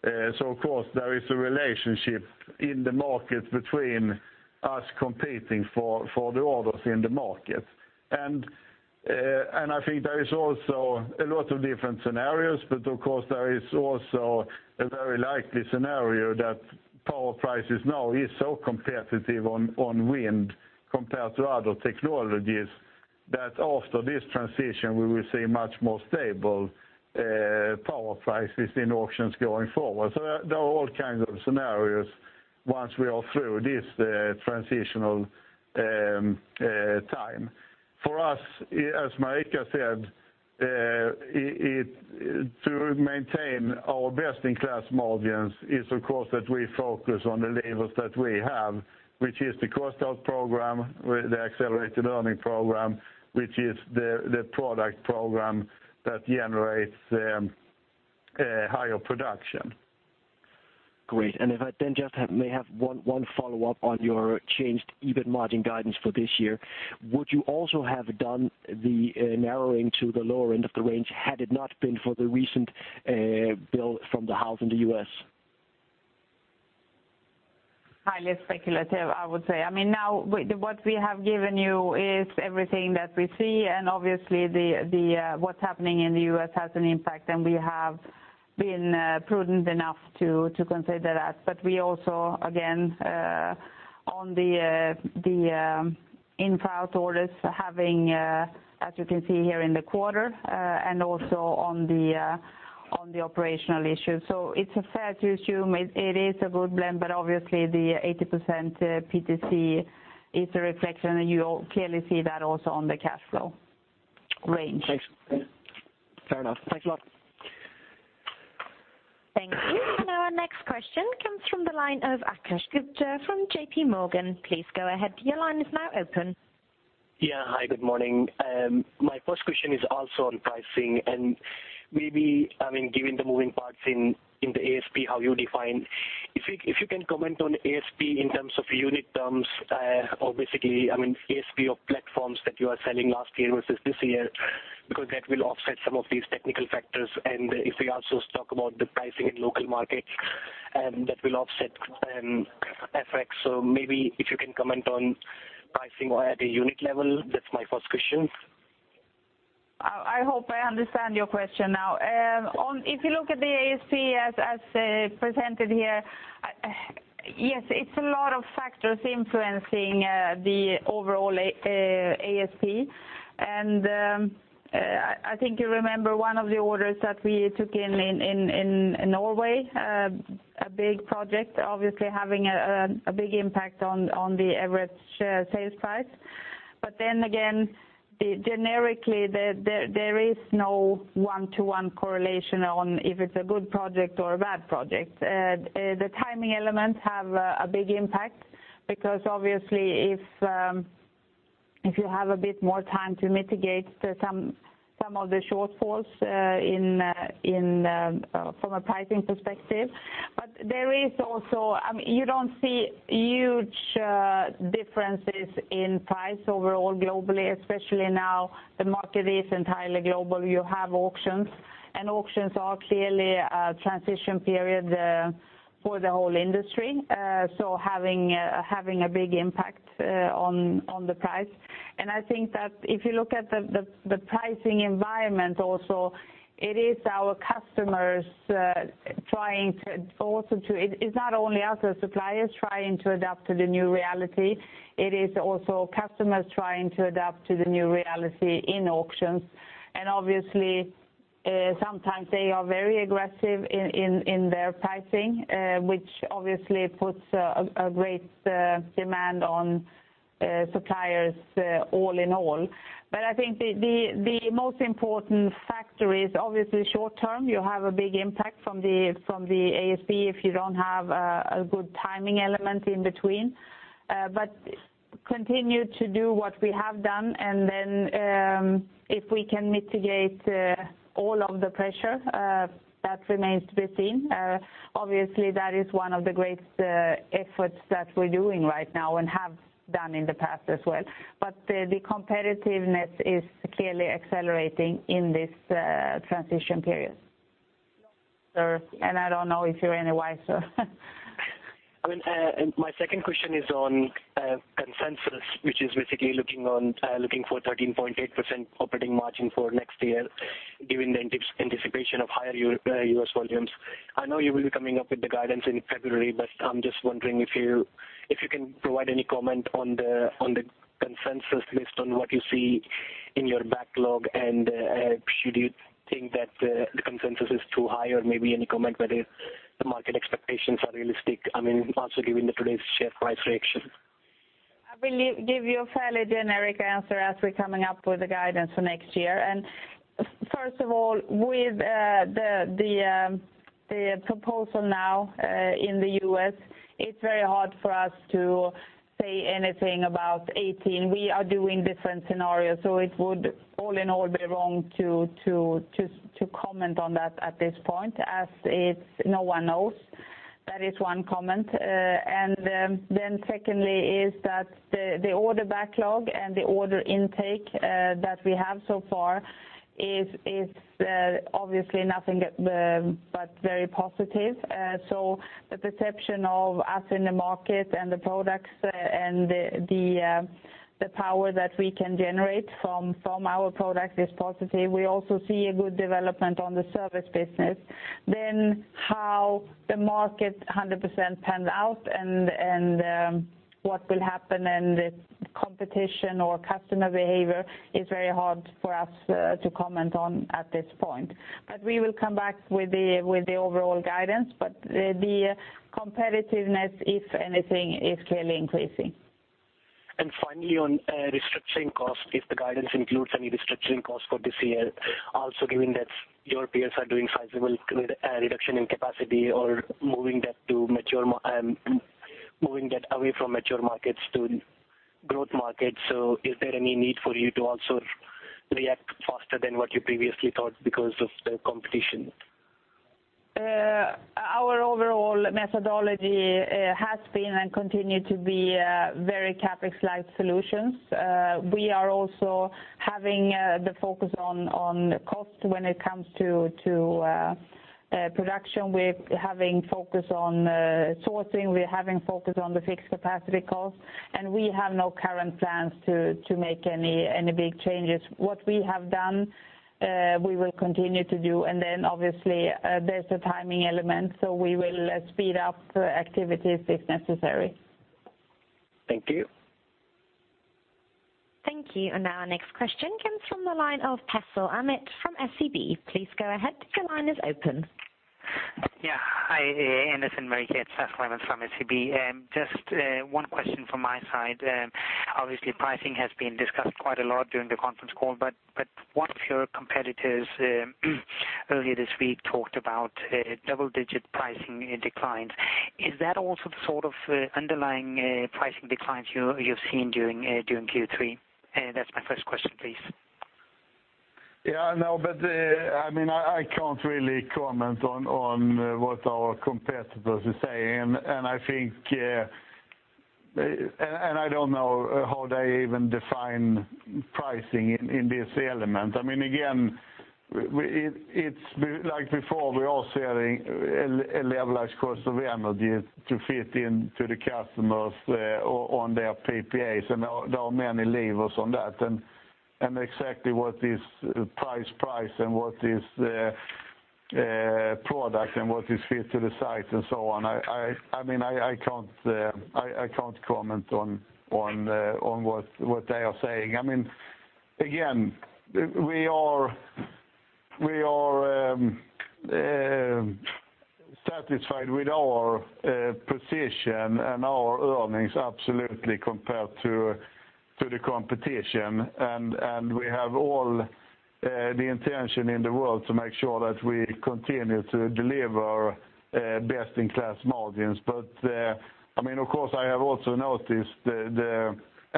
Of course, there is a relationship in the market between us competing for the orders in the market. I think there is also a lot of different scenarios, but of course, there is also a very likely scenario that power prices now is so competitive on wind compared to other technologies, that after this transition, we will see much more stable power prices in auctions going forward. There are all kinds of scenarios once we are through this transitional time. For us, as Marika said, to maintain our best-in-class margins is, of course, that we focus on the levers that we have, which is the cost out program, the accelerated earning program, which is the product program that generates higher production. Great. If I then just may have one follow-up on your changed EBIT margin guidance for this year. Would you also have done the narrowing to the lower end of the range had it not been for the recent bill from the House in the U.S.? Highly speculative, I would say. What we have given you is everything that we see, obviously, what's happening in the U.S. has an impact, we have been prudent enough to consider that. We also, again, on the in-for-out orders, having, as you can see here in the quarter, also on the operational issues. It's fair to assume it is a good blend, obviously, the 80% PTC is a reflection, you clearly see that also on the cash flow range. Thanks. Fair enough. Thanks a lot. Thank you. Our next question comes from the line of Akash Gupta from JP Morgan. Please go ahead. Your line is now open. Yeah. Hi, good morning. My first question is also on pricing, maybe given the moving parts in the ASP, how you define. If you can comment on ASP in terms of unit terms, or basically, ASP of platforms that you are selling last year versus this year, because that will offset some of these technical factors. If we also talk about the pricing in local markets, that will offset FX. Maybe if you can comment on pricing at a unit level. That's my first question. I hope I understand your question now. If you look at the ASP as presented here, yes, it's a lot of factors influencing the overall ASP. I think you remember one of the orders that we took in Norway, a big project, obviously having a big impact on the average sales price. Then again, generically, there is no one-to-one correlation on if it's a good project or a bad project. The timing elements have a big impact because obviously, if you have a bit more time to mitigate some of the shortfalls from a pricing perspective. You don't see huge differences in price overall globally, especially now the market is entirely global. You have auctions, and auctions are clearly a transition period for the whole industry. Having a big impact on the price. I think that if you look at the pricing environment also, it's not only us as suppliers trying to adapt to the new reality, it is also customers trying to adapt to the new reality in auctions. Obviously, sometimes they are very aggressive in their pricing, which obviously puts a great demand on suppliers all in all. I think the most important factor is obviously short term. You have a big impact from the ASP if you don't have a good timing element in between. Continue to do what we have done, if we can mitigate all of the pressure, that remains to be seen. Obviously, that is one of the great efforts that we're doing right now and have done in the past as well. The competitiveness is clearly accelerating in this transition period. I don't know if you're any wiser. My second question is on consensus, which is basically looking for 13.8% operating margin for next year, given the anticipation of higher U.S. volumes. I know you will be coming up with the guidance in February, but I'm just wondering if you can provide any comment on the consensus based on what you see in your backlog. Should you think that the consensus is too high or maybe any comment whether the market expectations are realistic, also given the today's share price reaction. I will give you a fairly generic answer as we're coming up with the guidance for next year. First of all, with the proposal now in the U.S., it's very hard for us to say anything about 2018. We are doing different scenarios, it would all in all be wrong to comment on that at this point, as no one knows. That is one comment. Then secondly is that the order backlog and the order intake that we have so far is obviously nothing but very positive. The perception of us in the market and the products and the power that we can generate from our product is positive. We also see a good development on the service business. How the market 100% pans out and what will happen and the competition or customer behavior is very hard for us to comment on at this point. We will come back with the overall guidance. The competitiveness, if anything, is clearly increasing. Finally, on restructuring costs, if the guidance includes any restructuring costs for this year, also given that your peers are doing sizable reduction in capacity or moving that away from mature markets to growth markets. Is there any need for you to also react faster than what you previously thought because of the competition? Our overall methodology has been and continue to be very CapEx-light solutions. We are also having the focus on cost when it comes to production. We're having focus on sourcing. We're having focus on the fixed capacity cost, and we have no current plans to make any big changes. What we have done, we will continue to do. Obviously, there's a timing element, so we will speed up activities if necessary. Thank you. Thank you. Now our next question comes from the line of Anders Roslund from SEB. Please go ahead. Your line is open. Hi, Anders Roslund at (SAS Finance) from SEB. One question from my side. Pricing has been discussed quite a lot during the conference call, one of your competitors earlier this week talked about double-digit pricing declines. Is that also the sort of underlying pricing declines you've seen during Q3? That's my first question, please. I can't really comment on what our competitors are saying, I don't know how they even define pricing in this element. Again, it's like before, we are seeing a levelized cost of energy to fit into the customers on their PPAs, there are many levers on that. Exactly what is price, what is product, what is fit to the site and so on. I can't comment on what they are saying. Again, we are satisfied with our position and our earnings absolutely compared to the competition. We have all the intention in the world to make sure that we continue to deliver best-in-class margins. Of course, I have also noticed,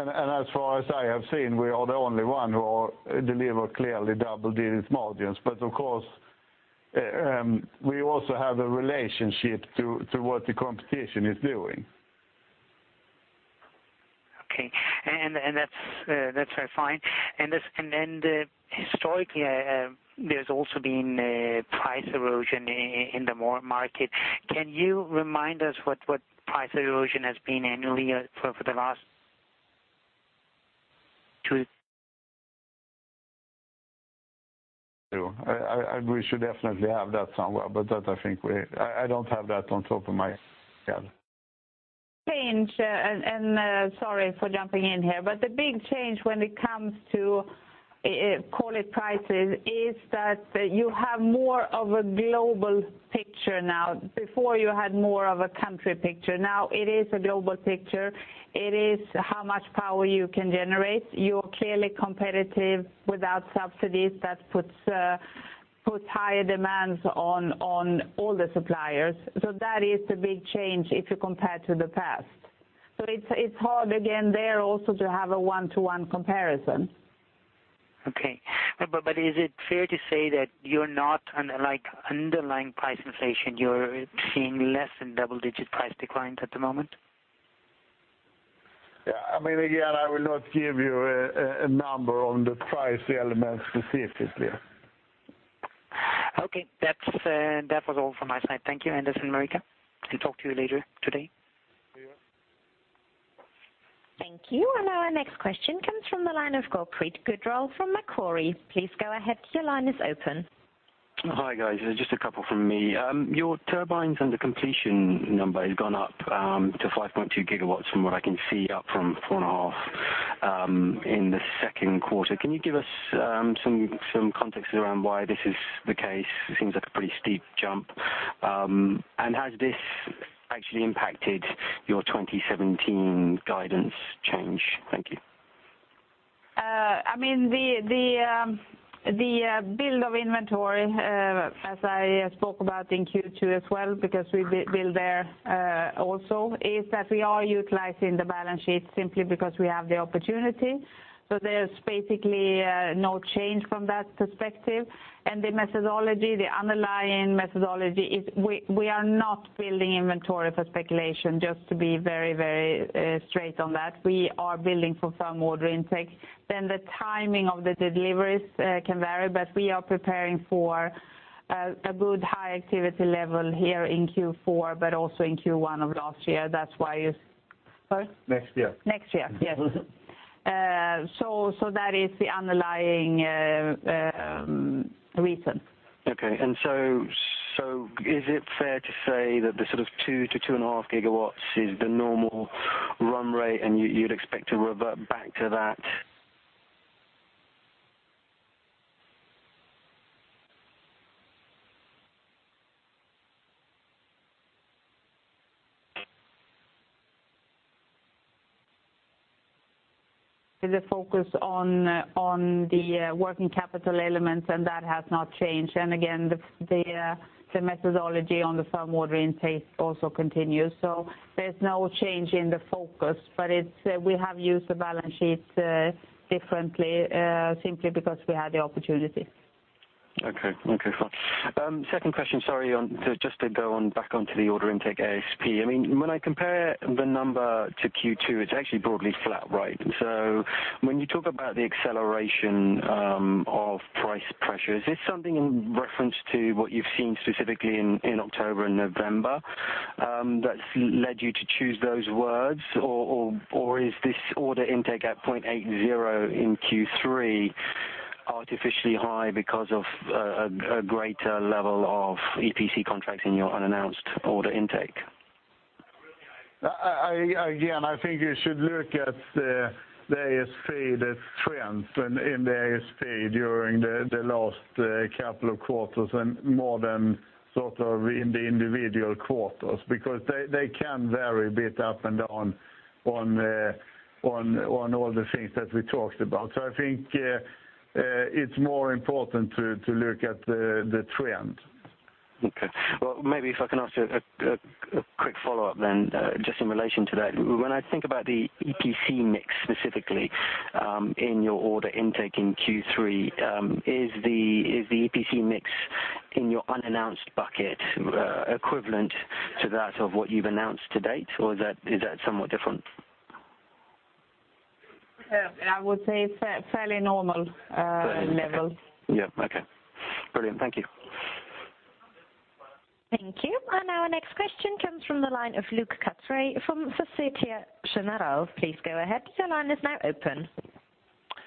as far as I have seen, we are the only one who deliver clearly double-digit margins. Of course, we also have a relationship to what the competition is doing. Okay. That's very fine. Historically, there's also been price erosion in the market. Can you remind us what price erosion has been annually for the last two We should definitely have that somewhere, I don't have that on top of my head. Change, sorry for jumping in here, the big change when it comes to call it prices is that you have more of a global picture now. Before you had more of a country picture. Now it is a global picture. It is how much power you can generate. You're clearly competitive without subsidies. That puts higher demands on all the suppliers. That is the big change if you compare to the past. It's hard again there also to have a one-to-one comparison. Okay. Is it fair to say that you're not, unlike underlying price inflation, you're seeing less than double-digit price declines at the moment? Yeah. Again, I will not give you a number on the price elements specifically. Okay. That was all from my side. Thank you, Anders Roslund. Talk to you later today. See you. Thank you. Our next question comes from the line of Gurpreet Sahi from Macquarie. Please go ahead, your line is open. Hi, guys. Just a couple from me. Your turbines under completion number has gone up to 5.2 gigawatts from what I can see, up from four and a half in the second quarter. Can you give us some context around why this is the case? It seems like a pretty steep jump. Has this actually impacted your 2017 guidance change? Thank you. The build of inventory, as I spoke about in Q2 as well, because we build there also, is that we are utilizing the balance sheet simply because we have the opportunity. There's basically no change from that perspective. The methodology, the underlying methodology is we are not building inventory for speculation, just to be very straight on that. We are building for firm order intake. The timing of the deliveries can vary, but we are preparing for a good high activity level here in Q4, but also in Q1 of last year. That's why Pardon? Next year. Next year, yes. That is the underlying reason. Is it fair to say that the 2-2.5 gigawatts is the normal run rate, and you'd expect to revert back to that? The focus on the working capital elements, and that has not changed. Again, the methodology on the firm order intake also continues. There's no change in the focus, but we have used the balance sheet differently, simply because we had the opportunity. Okay. Second question, sorry, just to go back onto the order intake ASP. When I compare the number to Q2, it's actually broadly flat, right? When you talk about the acceleration of price pressures, is this something in reference to what you've seen specifically in October and November that's led you to choose those words? Or is this order intake at 0.80 in Q3 artificially high because of a greater level of EPC contracts in your unannounced order intake? Again, I think you should look at the ASP, the trends in the ASP during the last couple of quarters, and more than sort of in the individual quarters, because they can vary a bit up and down on all the things that we talked about. I think it's more important to look at the trend. Okay. Maybe if I can ask you a quick follow-up then, just in relation to that. When I think about the EPC mix specifically, in your order intake in Q3, is the EPC mix in your unannounced bucket equivalent to that of what you've announced to date, or is that somewhat different? I would say fairly normal levels. Yeah. Okay. Brilliant. Thank you. Thank you. Our next question comes from the line of Lucas Ferhani from SocGen. Please go ahead. Your line is now open.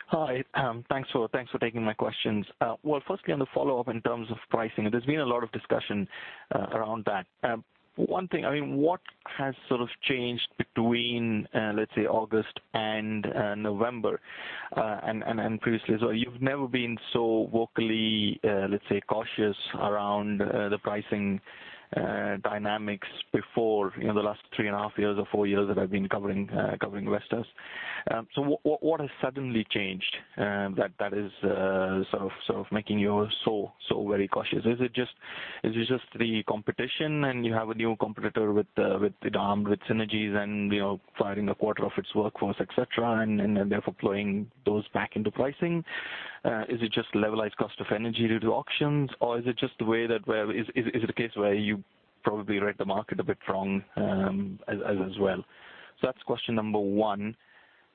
Hi. Thanks for taking my questions. firstly, on the follow-up in terms of pricing, there's been a lot of discussion around that. One thing, what has sort of changed between, let's say August and November, and previously as well? You've never been so vocally, let's say, cautious around the pricing dynamics before in the last 3.5 years or four years that I've been covering Vestas. What has suddenly changed that is sort of making you so very cautious? Is it just the competition and you have a new competitor with (Arm), with synergies, and firing a quarter of its workforce, et cetera, and therefore flowing those back into pricing? Is it just levelized cost of energy due to auctions? Is it a case where you probably read the market a bit wrong as well? That's question number 1.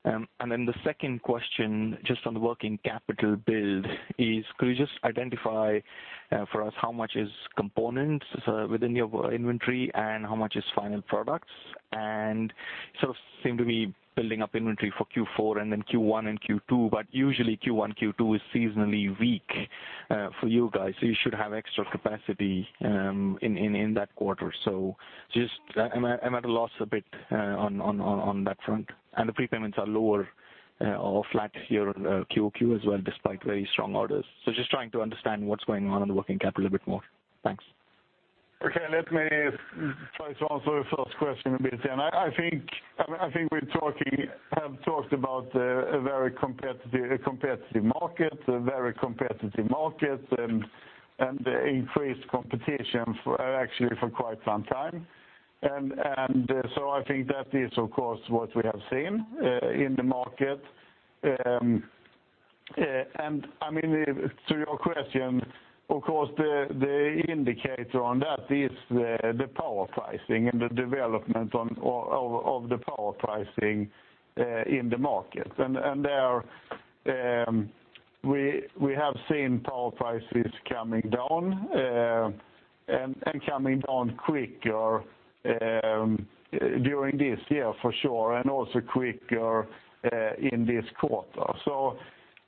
The second question, just on the working capital build is, could you just identify for us how much is components within your inventory and how much is final products? sort of seem to be building up inventory for Q4 and Q1 and Q2, but usually Q1, Q2 is seasonally weak for you guys, so you should have extra capacity in that quarter. just, I'm at a loss a bit on that front. The prepayments are lower or flat here on QOQ as well, despite very strong orders. just trying to understand what's going on in the working capital a bit more. Thanks. Let me try to answer your first question a bit then. I think we have talked about a very competitive market, increased competition actually for quite some time. I think that is, of course, what we have seen in the market. To your question, of course, the indicator on that is the power pricing and the development of the power pricing in the market. There, we have seen power prices coming down, coming down quicker during this year for sure, and also quicker in this quarter.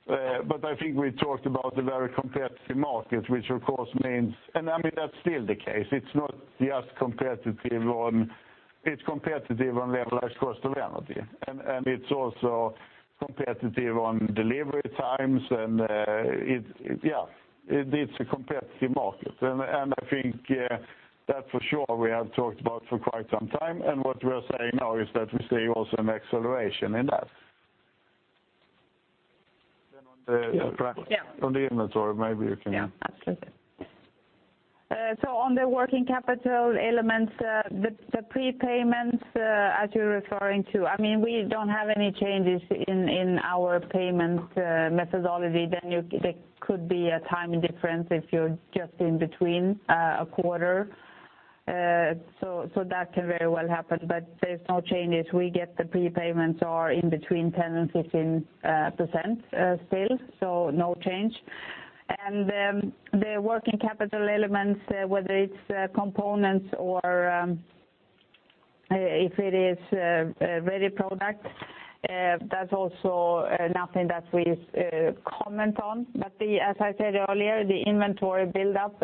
I think we talked about the very competitive market, which of course means that's still the case. It's not just competitive on levelized cost of energy. It's also competitive on delivery times, and it's a competitive market. I think that for sure, we have talked about for quite some time, and what we are saying now is that we see also an acceleration in that. On the inventory, maybe you can- Absolutely. On the working capital elements, the prepayments, as you're referring to, we don't have any changes in our payment methodology. There could be a timing difference if you're just in between a quarter. That can very well happen, there's no changes. We get the prepayments are in between 10% and 15% still, no change. The working capital elements, whether it's components or if it is a ready product, that's also nothing that we comment on. As I said earlier, the inventory buildup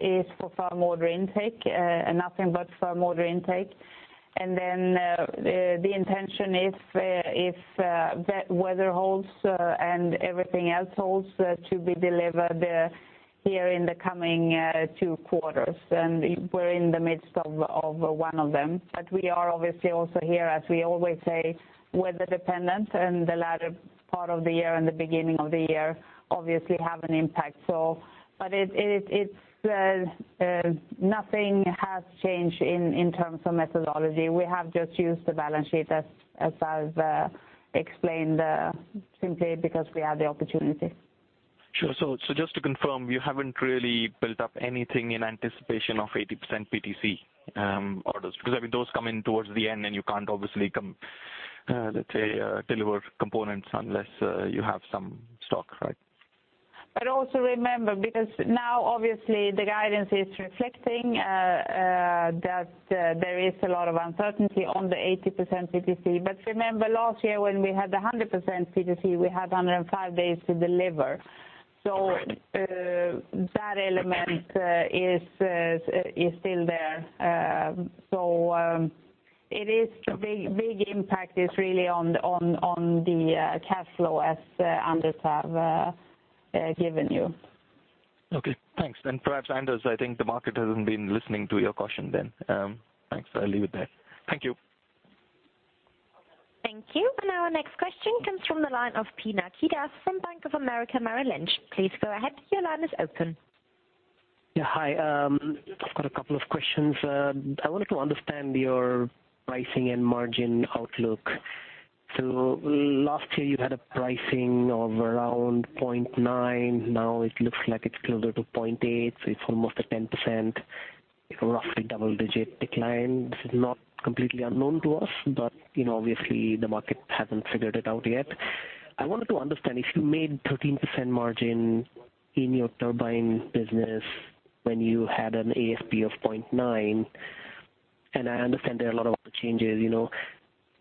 is for firm order intake, nothing but firm order intake. The intention is, if that weather holds and everything else holds, to be delivered here in the coming two quarters. We're in the midst of one of them. We are obviously also here, as we always say, weather dependent, and the latter part of the year and the beginning of the year obviously have an impact. Nothing has changed in terms of methodology. We have just used the balance sheet as I've explained, simply because we have the opportunity. Sure. Just to confirm, you haven't really built up anything in anticipation of 80% PTC orders? Because those come in towards the end and you can't obviously, let's say, deliver components unless you have some stock, right? Also remember, because now obviously the guidance is reflecting that there is a lot of uncertainty on the 80% PTC. Remember last year when we had 100% PTC, we had 105 days to deliver. That element is still there. Big impact is really on the cash flow as Anders have given you. Okay, thanks. Perhaps, Anders, I think the market hasn't been listening to your question then. Thanks. I'll leave it there. Thank you. Thank you. Our next question comes from the line of Pinaki Das from Bank of America Merrill Lynch. Please go ahead. Your line is open. Yeah, hi. I've got a couple of questions. I wanted to understand your pricing and margin outlook. Last year, you had a pricing of around 0.9. Now it looks like it's closer to 0.8, so it's almost a 10%, roughly double-digit decline. This is not completely unknown to us, but obviously, the market hasn't figured it out yet. I wanted to understand, if you made 13% margin in your turbine business when you had an ASP of 0.9, and I understand there are a lot of other changes,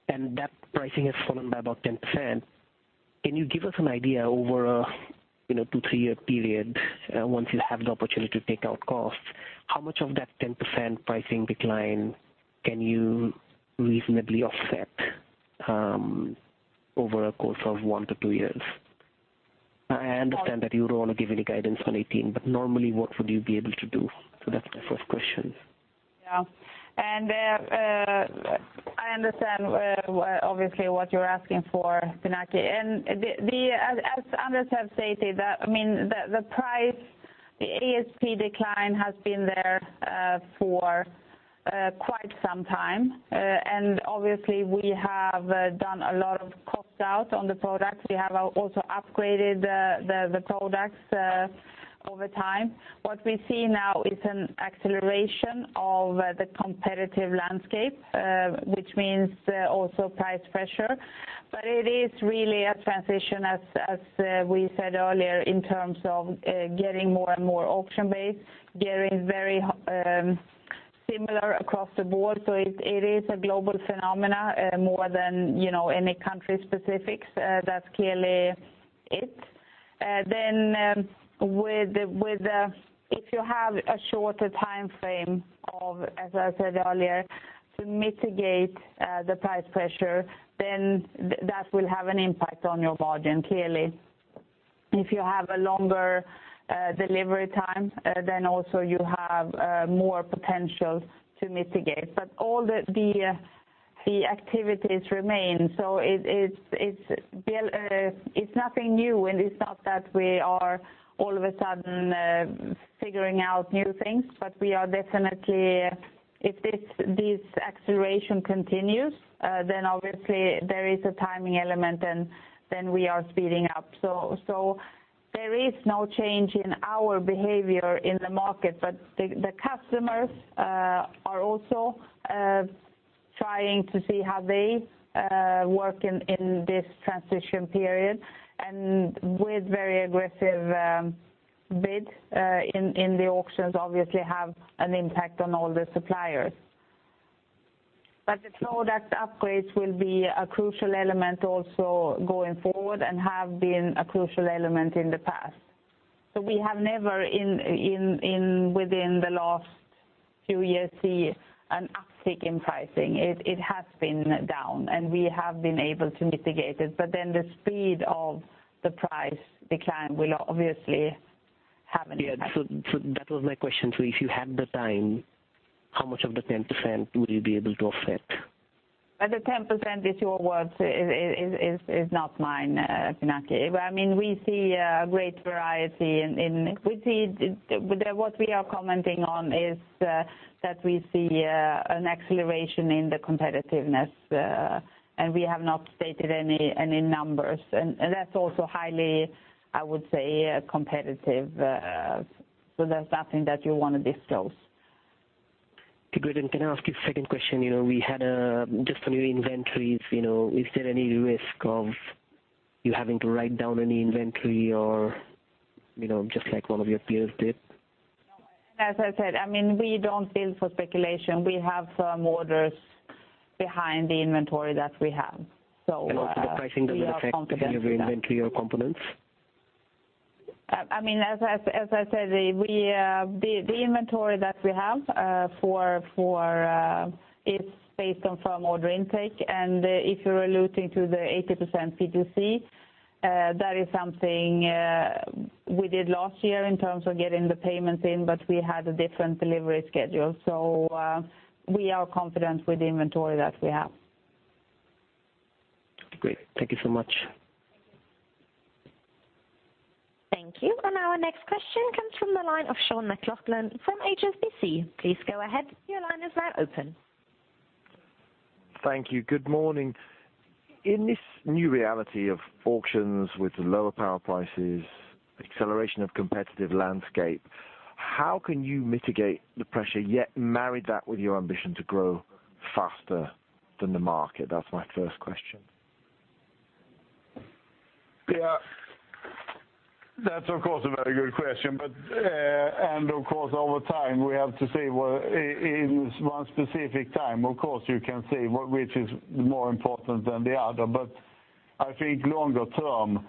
and that pricing has fallen by about 10%, can you give us an idea over a 2, 3-year period, once you have the opportunity to take out costs, how much of that 10% pricing decline can you reasonably offset, over a course of 1 to 2 years? I understand that you don't want to give any guidance on 2018, but normally, what would you be able to do? That's my first question. Yeah. I understand obviously what you're asking for, Pinaki. As Anders have stated, the price, the ASP decline has been there for quite some time. Obviously, we have done a lot of cost out on the products. We have also upgraded the products over time. What we see now is an acceleration of the competitive landscape, which means also price pressure. It is really a transition, as we said earlier, in terms of getting more and more auction-based, getting very similar across the board. It is a global phenomena more than any country specifics. That's clearly it. If you have a shorter timeframe of, as I said earlier, to mitigate the price pressure, that will have an impact on your margin, clearly. If you have a longer delivery time, also you have more potential to mitigate. All the activities remain. It's nothing new, and it's not that we are all of a sudden figuring out new things. We are definitely, if this acceleration continues, obviously there is a timing element and then we are speeding up. There is no change in our behavior in the market. The customers are also trying to see how they work in this transition period, and with very aggressive bid in the auctions obviously have an impact on all the suppliers. The product upgrades will be a crucial element also going forward and have been a crucial element in the past. We have never within the last two years seen an uptick in pricing. It has been down, and we have been able to mitigate it. The speed of the price decline will obviously have an impact. Yeah. That was my question. If you had the time, how much of the 10% will you be able to offset? The 10% is your words, is not mine, Pinaki. We see a great variety. What we are commenting on is that we see an acceleration in the competitiveness, and we have not stated any numbers. That's also highly, I would say, competitive. That's nothing that you want to disclose. Okay, great. Can I ask you a second question? Just on your inventories, is there any risk of you having to write down any inventory or just like one of your peers did? As I said, we don't build for speculation. We have firm orders behind the inventory that we have. Also the pricing doesn't. We are confident with that. any of your inventory or components? As I said, the inventory that we have is based on firm order intake. If you're alluding to the 80% PTC, that is something we did last year in terms of getting the payments in, we had a different delivery schedule. We are confident with the inventory that we have. Great. Thank you so much. Thank you. Our next question comes from the line of Sean McLoughlin from HSBC. Please go ahead. Your line is now open. Thank you. Good morning. In this new reality of auctions with lower power prices, acceleration of competitive landscape, how can you mitigate the pressure yet marry that with your ambition to grow faster than the market? That's my first question. Yeah. That's of course a very good question. Of course over time, we have to say, well, in one specific time, of course you can say which is more important than the other, but I think longer-term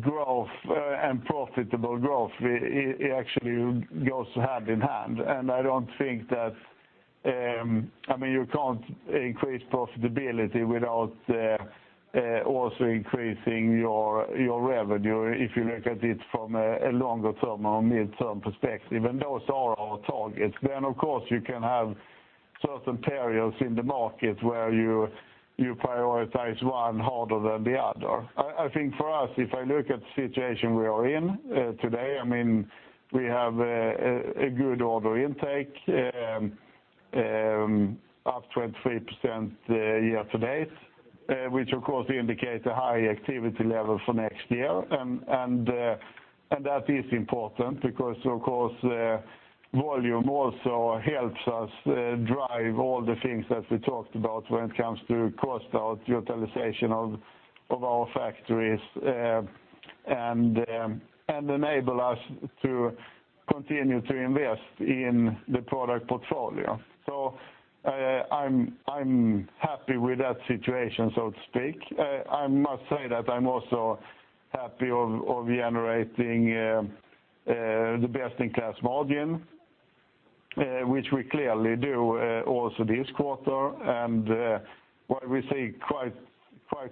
growth and profitable growth, it actually goes hand in hand. You can't increase profitability without also increasing your revenue, if you look at it from a longer-term or midterm perspective. Those are our targets. Of course, you can have certain periods in the market where you prioritize one harder than the other. I think for us, if I look at the situation we are in today, we have a good order intake, up 23% year-to-date, which of course indicates a high activity level for next year. That is important because, of course, volume also helps us drive all the things that we talked about when it comes to cost out, utilization of our factories, and enable us to continue to invest in the product portfolio. I'm happy with that situation, so to speak. I must say that I'm also happy of generating the best-in-class margin, which we clearly do also this quarter. While we see quite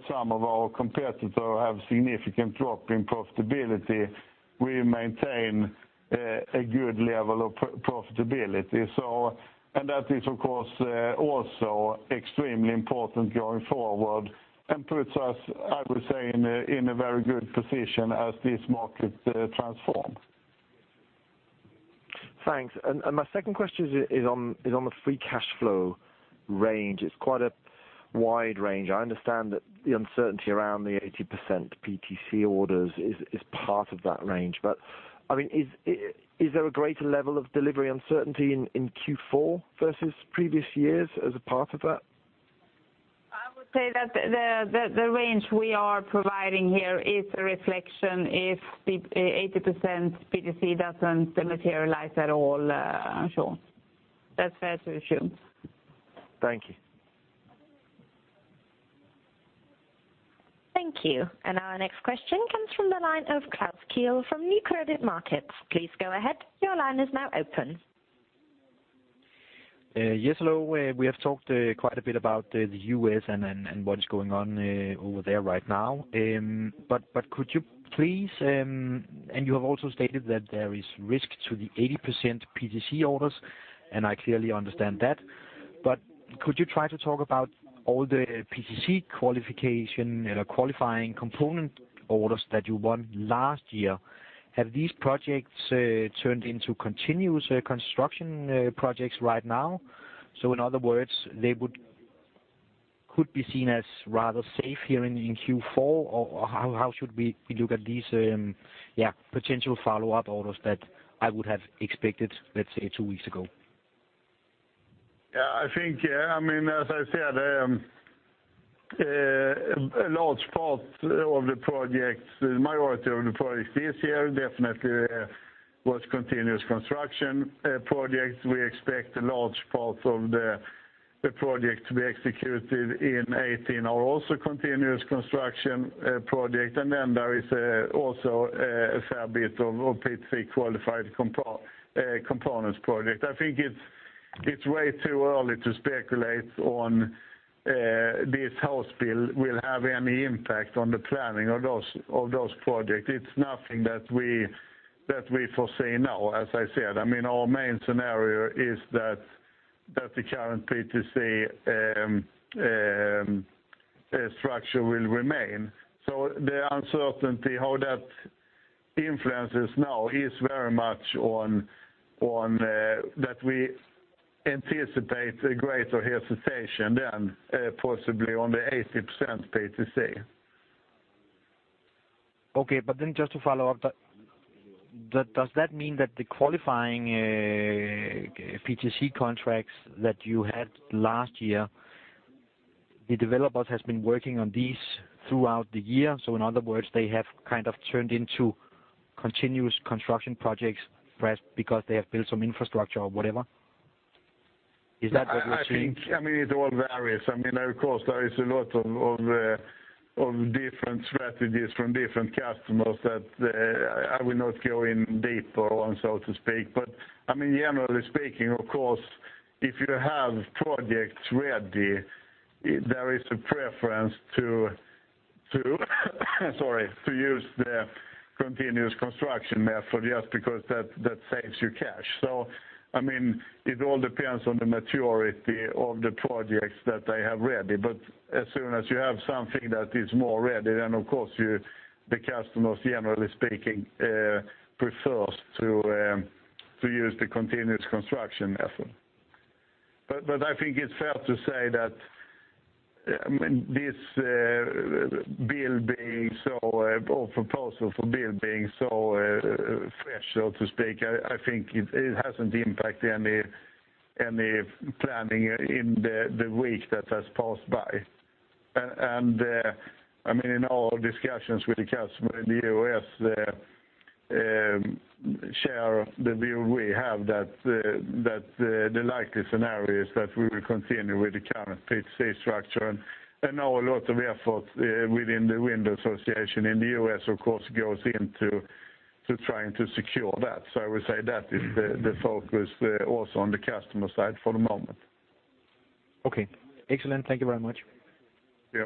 some of our competitors have significant drop in profitability, we maintain a good level of profitability. That is, of course, also extremely important going forward and puts us, I would say, in a very good position as this market transforms. Thanks. My second question is on the free cash flow range. It's quite a wide range. I understand that the uncertainty around the 80% PTC orders is part of that range. Is there a greater level of delivery uncertainty in Q4 versus previous years as a part of that? I would say that the range we are providing here is a reflection if the 80% PTC doesn't materialize at all, Sean. That's fair to assume. Thank you. Thank you. Our next question comes from the line of Klaus Kiel from Nykredit Markets. Please go ahead. Your line is now open. Yes, hello. We have talked quite a bit about the U.S. and what is going on over there right now. You have also stated that there is risk to the 80% PTC orders, and I clearly understand that. Could you try to talk about all the PTC qualifying component orders that you won last year? Have these projects turned into continuous construction projects right now? In other words, they could be seen as rather safe here in Q4? How should we look at these potential follow-up orders that I would have expected, let's say, two weeks ago? As I said, a large part of the projects, the majority of the projects this year definitely was continuous construction projects. We expect a large part of the projects to be executed in 2018 are also continuous construction projects. There is also a fair bit of PTC-qualified components project. I think it's way too early to speculate on this House bill will have any impact on the planning of those projects. It's nothing that we foresee now. As I said, our main scenario is that the current PTC structure will remain. The uncertainty, how that influences now is very much on that we anticipate a greater hesitation then possibly on the 80% PTC. Okay. Just to follow up, does that mean that the qualifying PTC contracts that you had last year, the developers has been working on these throughout the year? In other words, they have kind of turned into continuous construction projects perhaps because they have built some infrastructure or whatever. Is that what you're seeing? It all varies. Of course, there is a lot of different strategies from different customers that I will not go in deeper on, so to speak. Generally speaking, of course, if you have projects ready, there is a preference to use the continuous construction method just because that saves you cash. It all depends on the maturity of the projects that they have ready. As soon as you have something that is more ready, then of course the customers, generally speaking, prefers to use the continuous construction method. I think it's fair to say that this proposal for bill being so fresh, so to speak, I think it hasn't impacted any planning in the week that has passed by. In our discussions with the customer in the U.S., they share the view we have that the likely scenario is that we will continue with the current PTC structure. Now a lot of effort within the Wind Association in the U.S., of course, goes into trying to secure that. I would say that is the focus also on the customer side for the moment. Okay. Excellent. Thank you very much. Yeah.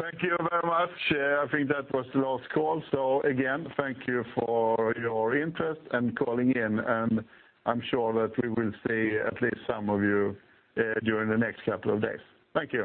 Thank you very much. I think that was the last call. Again, thank you for your interest and calling in, and I am sure that we will see at least some of you during the next couple of days. Thank you.